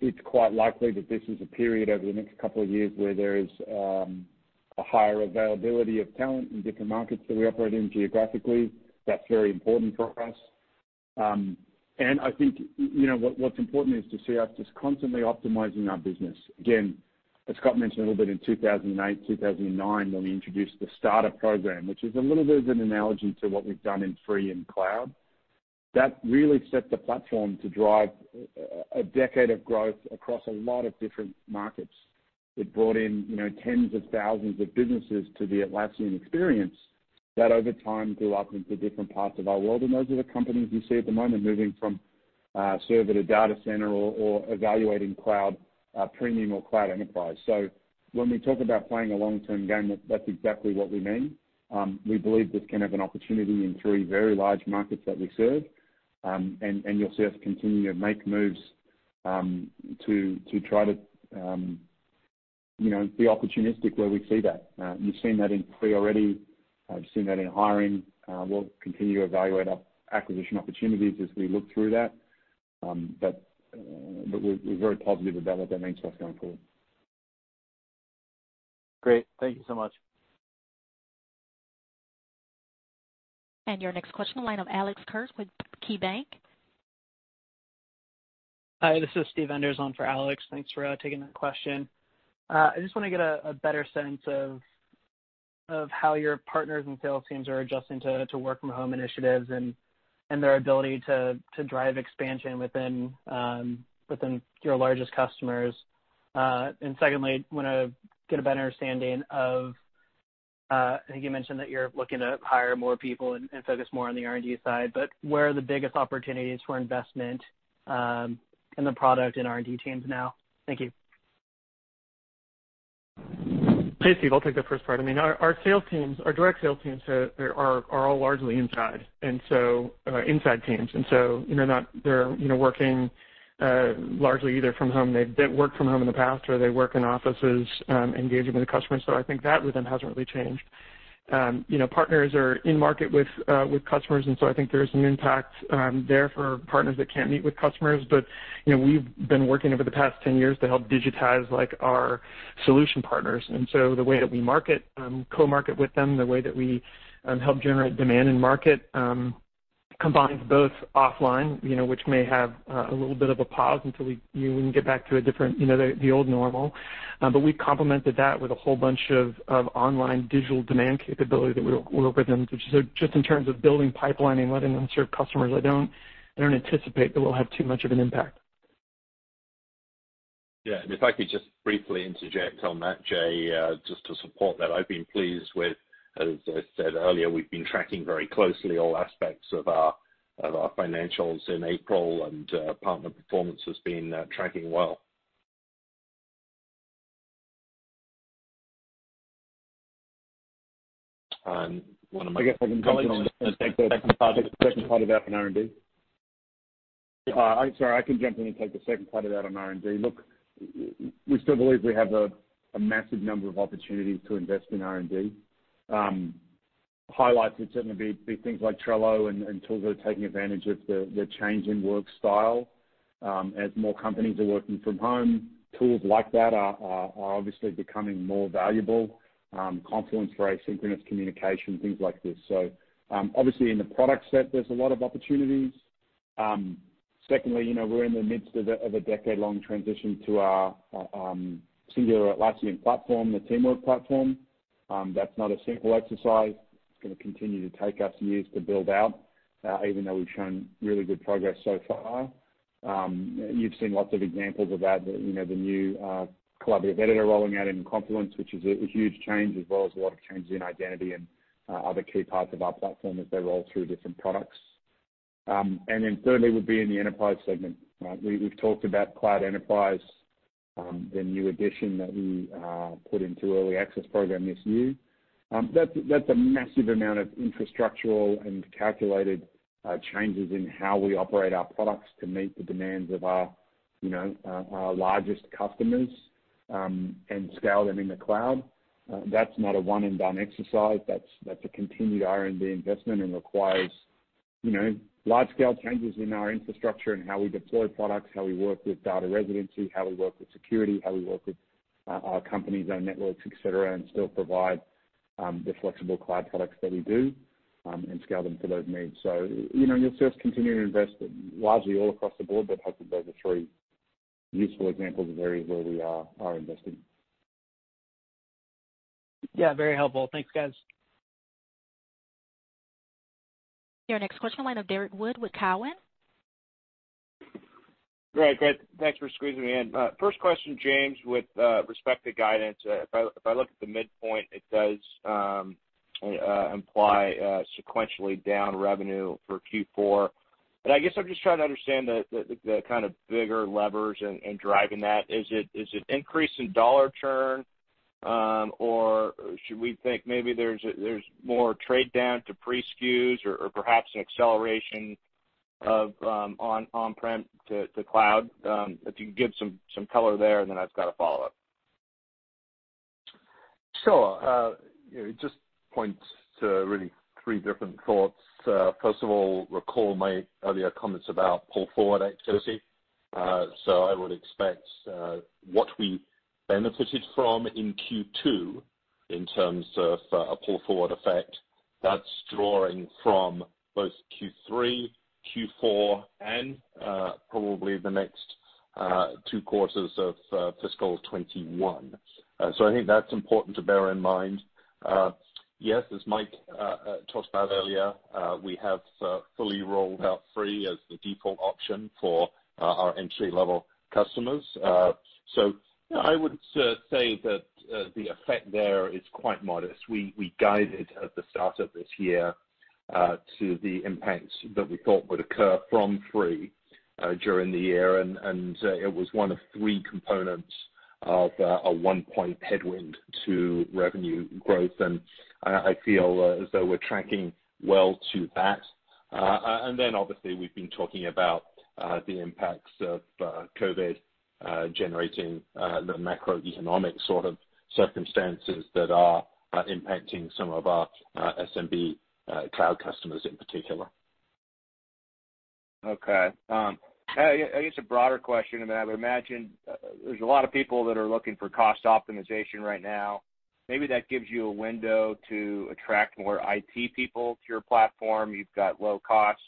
It's quite likely that this is a period over the next couple of years where there is a higher availability of talent in different markets that we operate in geographically. That's very important for us. I think what's important is to see us just constantly optimizing our business. Again, as Scott mentioned a little bit in 2008, 2009 when we introduced the starter program, which is a little bit of an analogy to what we've done in Free and Cloud, that really set the platform to drive a decade of growth across a lot of different markets. It brought in tens of thousands of businesses to the Atlassian experience that over time grew up into different parts of our world. Those are the companies you see at the moment moving from Server to Data Center or evaluating Cloud Premium or Cloud Enterprise. When we talk about playing a long-term game, that's exactly what we mean. We believe this can have an opportunity in three very large markets that we serve. You'll see us continue to make moves to try to. Be opportunistic where we see that. You've seen that in Free already. You've seen that in hiring. We'll continue to evaluate acquisition opportunities as we look through that. We're very positive about what that means for us going forward. Great. Thank you so much. Your next question, the line of Alex Kurtz with KeyBank. Hi, this is Steve Enders on for Alex. Thanks for taking that question. I just want to get a better sense of how your partners and sales teams are adjusting to work from home initiatives and their ability to drive expansion within your largest customers. Secondly, want to get a better understanding of, I think you mentioned that you're looking to hire more people and focus more on the R&D side. Where are the biggest opportunities for investment in the product and R&D teams now? Thank you. Hey, Steve. I'll take the first part. I mean, our direct sales teams are all largely inside teams. They're working largely either from home, they've worked from home in the past, or they work in offices, engaging with the customers. I think that rhythm hasn't really changed. Partners are in market with customers, and so I think there is an impact there for partners that can't meet with customers. We've been working over the past 10 years to help digitize our solution partners. The way that we co-market with them, the way that we help generate demand in market, combines both offline, which may have a little bit of a pause until we can get back to the old normal. We complemented that with a whole bunch of online digital demand capability that we work with them, which is just in terms of building pipeline and letting them serve customers. I don't anticipate that we'll have too much of an impact. Yeah, if I could just briefly interject on that, Jay, just to support that. I've been pleased with, as I said earlier, we've been tracking very closely all aspects of our financials in April, and partner performance has been tracking well. Sorry, I can jump in and take the second part of that on R&D. Look, we still believe we have a massive number of opportunities to invest in R&D. Highlights would certainly be things like Trello and tools that are taking advantage of the change in work style. As more companies are working from home, tools like that are obviously becoming more valuable. Confluence for asynchronous communication, things like this. Obviously in the product set, there's a lot of opportunities. Secondly, we're in the midst of a decade-long transition to our singular Atlassian platform, the Teamwork platform. That's not a simple exercise. It's going to continue to take us years to build out, even though we've shown really good progress so far. You've seen lots of examples of that, the new collaborative editor rolling out in Confluence, which is a huge change, as well as a lot of changes in identity and other key parts of our platform as they roll through different products. Thirdly, would be in the Enterprise segment. We've talked about Cloud Enterprise, the new addition that we put into Early Access Program this year. That's a massive amount of infrastructural and calculated changes in how we operate our products to meet the demands of our largest customers, and scale them in the Cloud. That's not a one and done exercise. That's a continued R&D investment and requires large scale changes in our infrastructure and how we deploy products, how we work with data residency, how we work with security, how we work with our companies, our networks, et cetera, and still provide the flexible Cloud products that we do, and scale them to those needs. You'll see us continue to invest largely all across the board, but hopefully those are three useful examples of areas where we are investing. Yeah, very helpful. Thanks, guys. Your next question, line of Derrick Wood with Cowen. Great. Thanks for squeezing me in. First question, James, with respect to guidance. If I look at the midpoint, it does imply sequentially down revenue for Q4. I guess I'm just trying to understand the kind of bigger levers in driving that. Is it increase in dollar churn, or should we think maybe there's more trade down to Free SKUs or perhaps an acceleration of on-prem to Cloud? If you can give some color there, then I've got a follow-up. Sure. It just points to really three different thoughts. First of all, recall my earlier comments about pull forward activity. I would expect what we benefited from in Q2 in terms of a pull forward effect, that's drawing from both Q3, Q4, and probably the next two quarters of fiscal 2021. I think that's important to bear in mind. Yes, as Mike talked about earlier, we have fully rolled out Free as the default option for our entry level customers. I would say that the effect there is quite modest. We guided at the start of this year to the impacts that we thought would occur from Free during the year, and it was one of three components of a one-point headwind to revenue growth. I feel as though we're tracking well to that. Obviously, we've been talking about the impacts of COVID generating the macroeconomic sort of circumstances that are impacting some of our SMB Cloud customers in particular. Okay. I guess a broader question, I would imagine there's a lot of people that are looking for cost optimization right now. Maybe that gives you a window to attract more IT people to your platform. You've got low costs,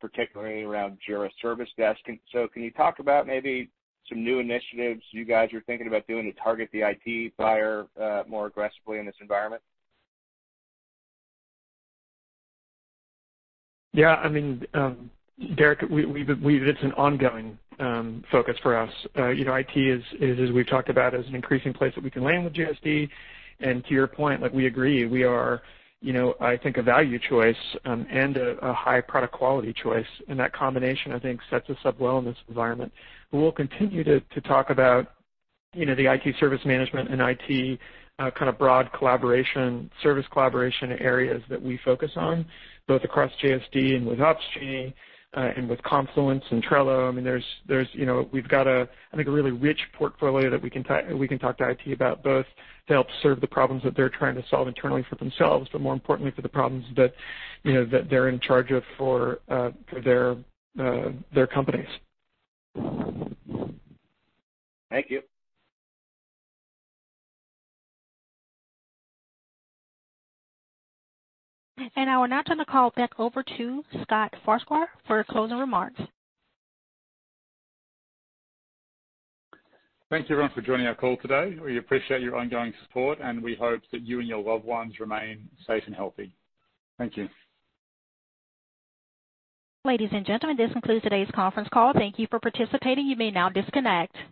particularly around Jira Service Management. Can you talk about maybe some new initiatives you guys are thinking about doing to target the IT buyer more aggressively in this environment? Yeah. Derrick, it's an ongoing focus for us. IT is, as we've talked about, is an increasing place that we can land with JSD, and to your point, we agree. We are, I think, a value choice and a high product quality choice, and that combination, I think, sets us up well in this environment. We'll continue to talk about the IT service management and IT kind of broad service collaboration areas that we focus on, both across JSD and with Opsgenie, and with Confluence and Trello. We've got, I think, a really rich portfolio that we can talk to IT about, both to help serve the problems that they're trying to solve internally for themselves, but more importantly, for the problems that they're in charge of for their companies. Thank you. I will now turn the call back over to Scott Farquhar for closing remarks. Thank you, everyone, for joining our call today. We appreciate your ongoing support, and we hope that you and your loved ones remain safe and healthy. Thank you. Ladies and gentlemen, this concludes today's conference call. Thank you for participating. You may now disconnect.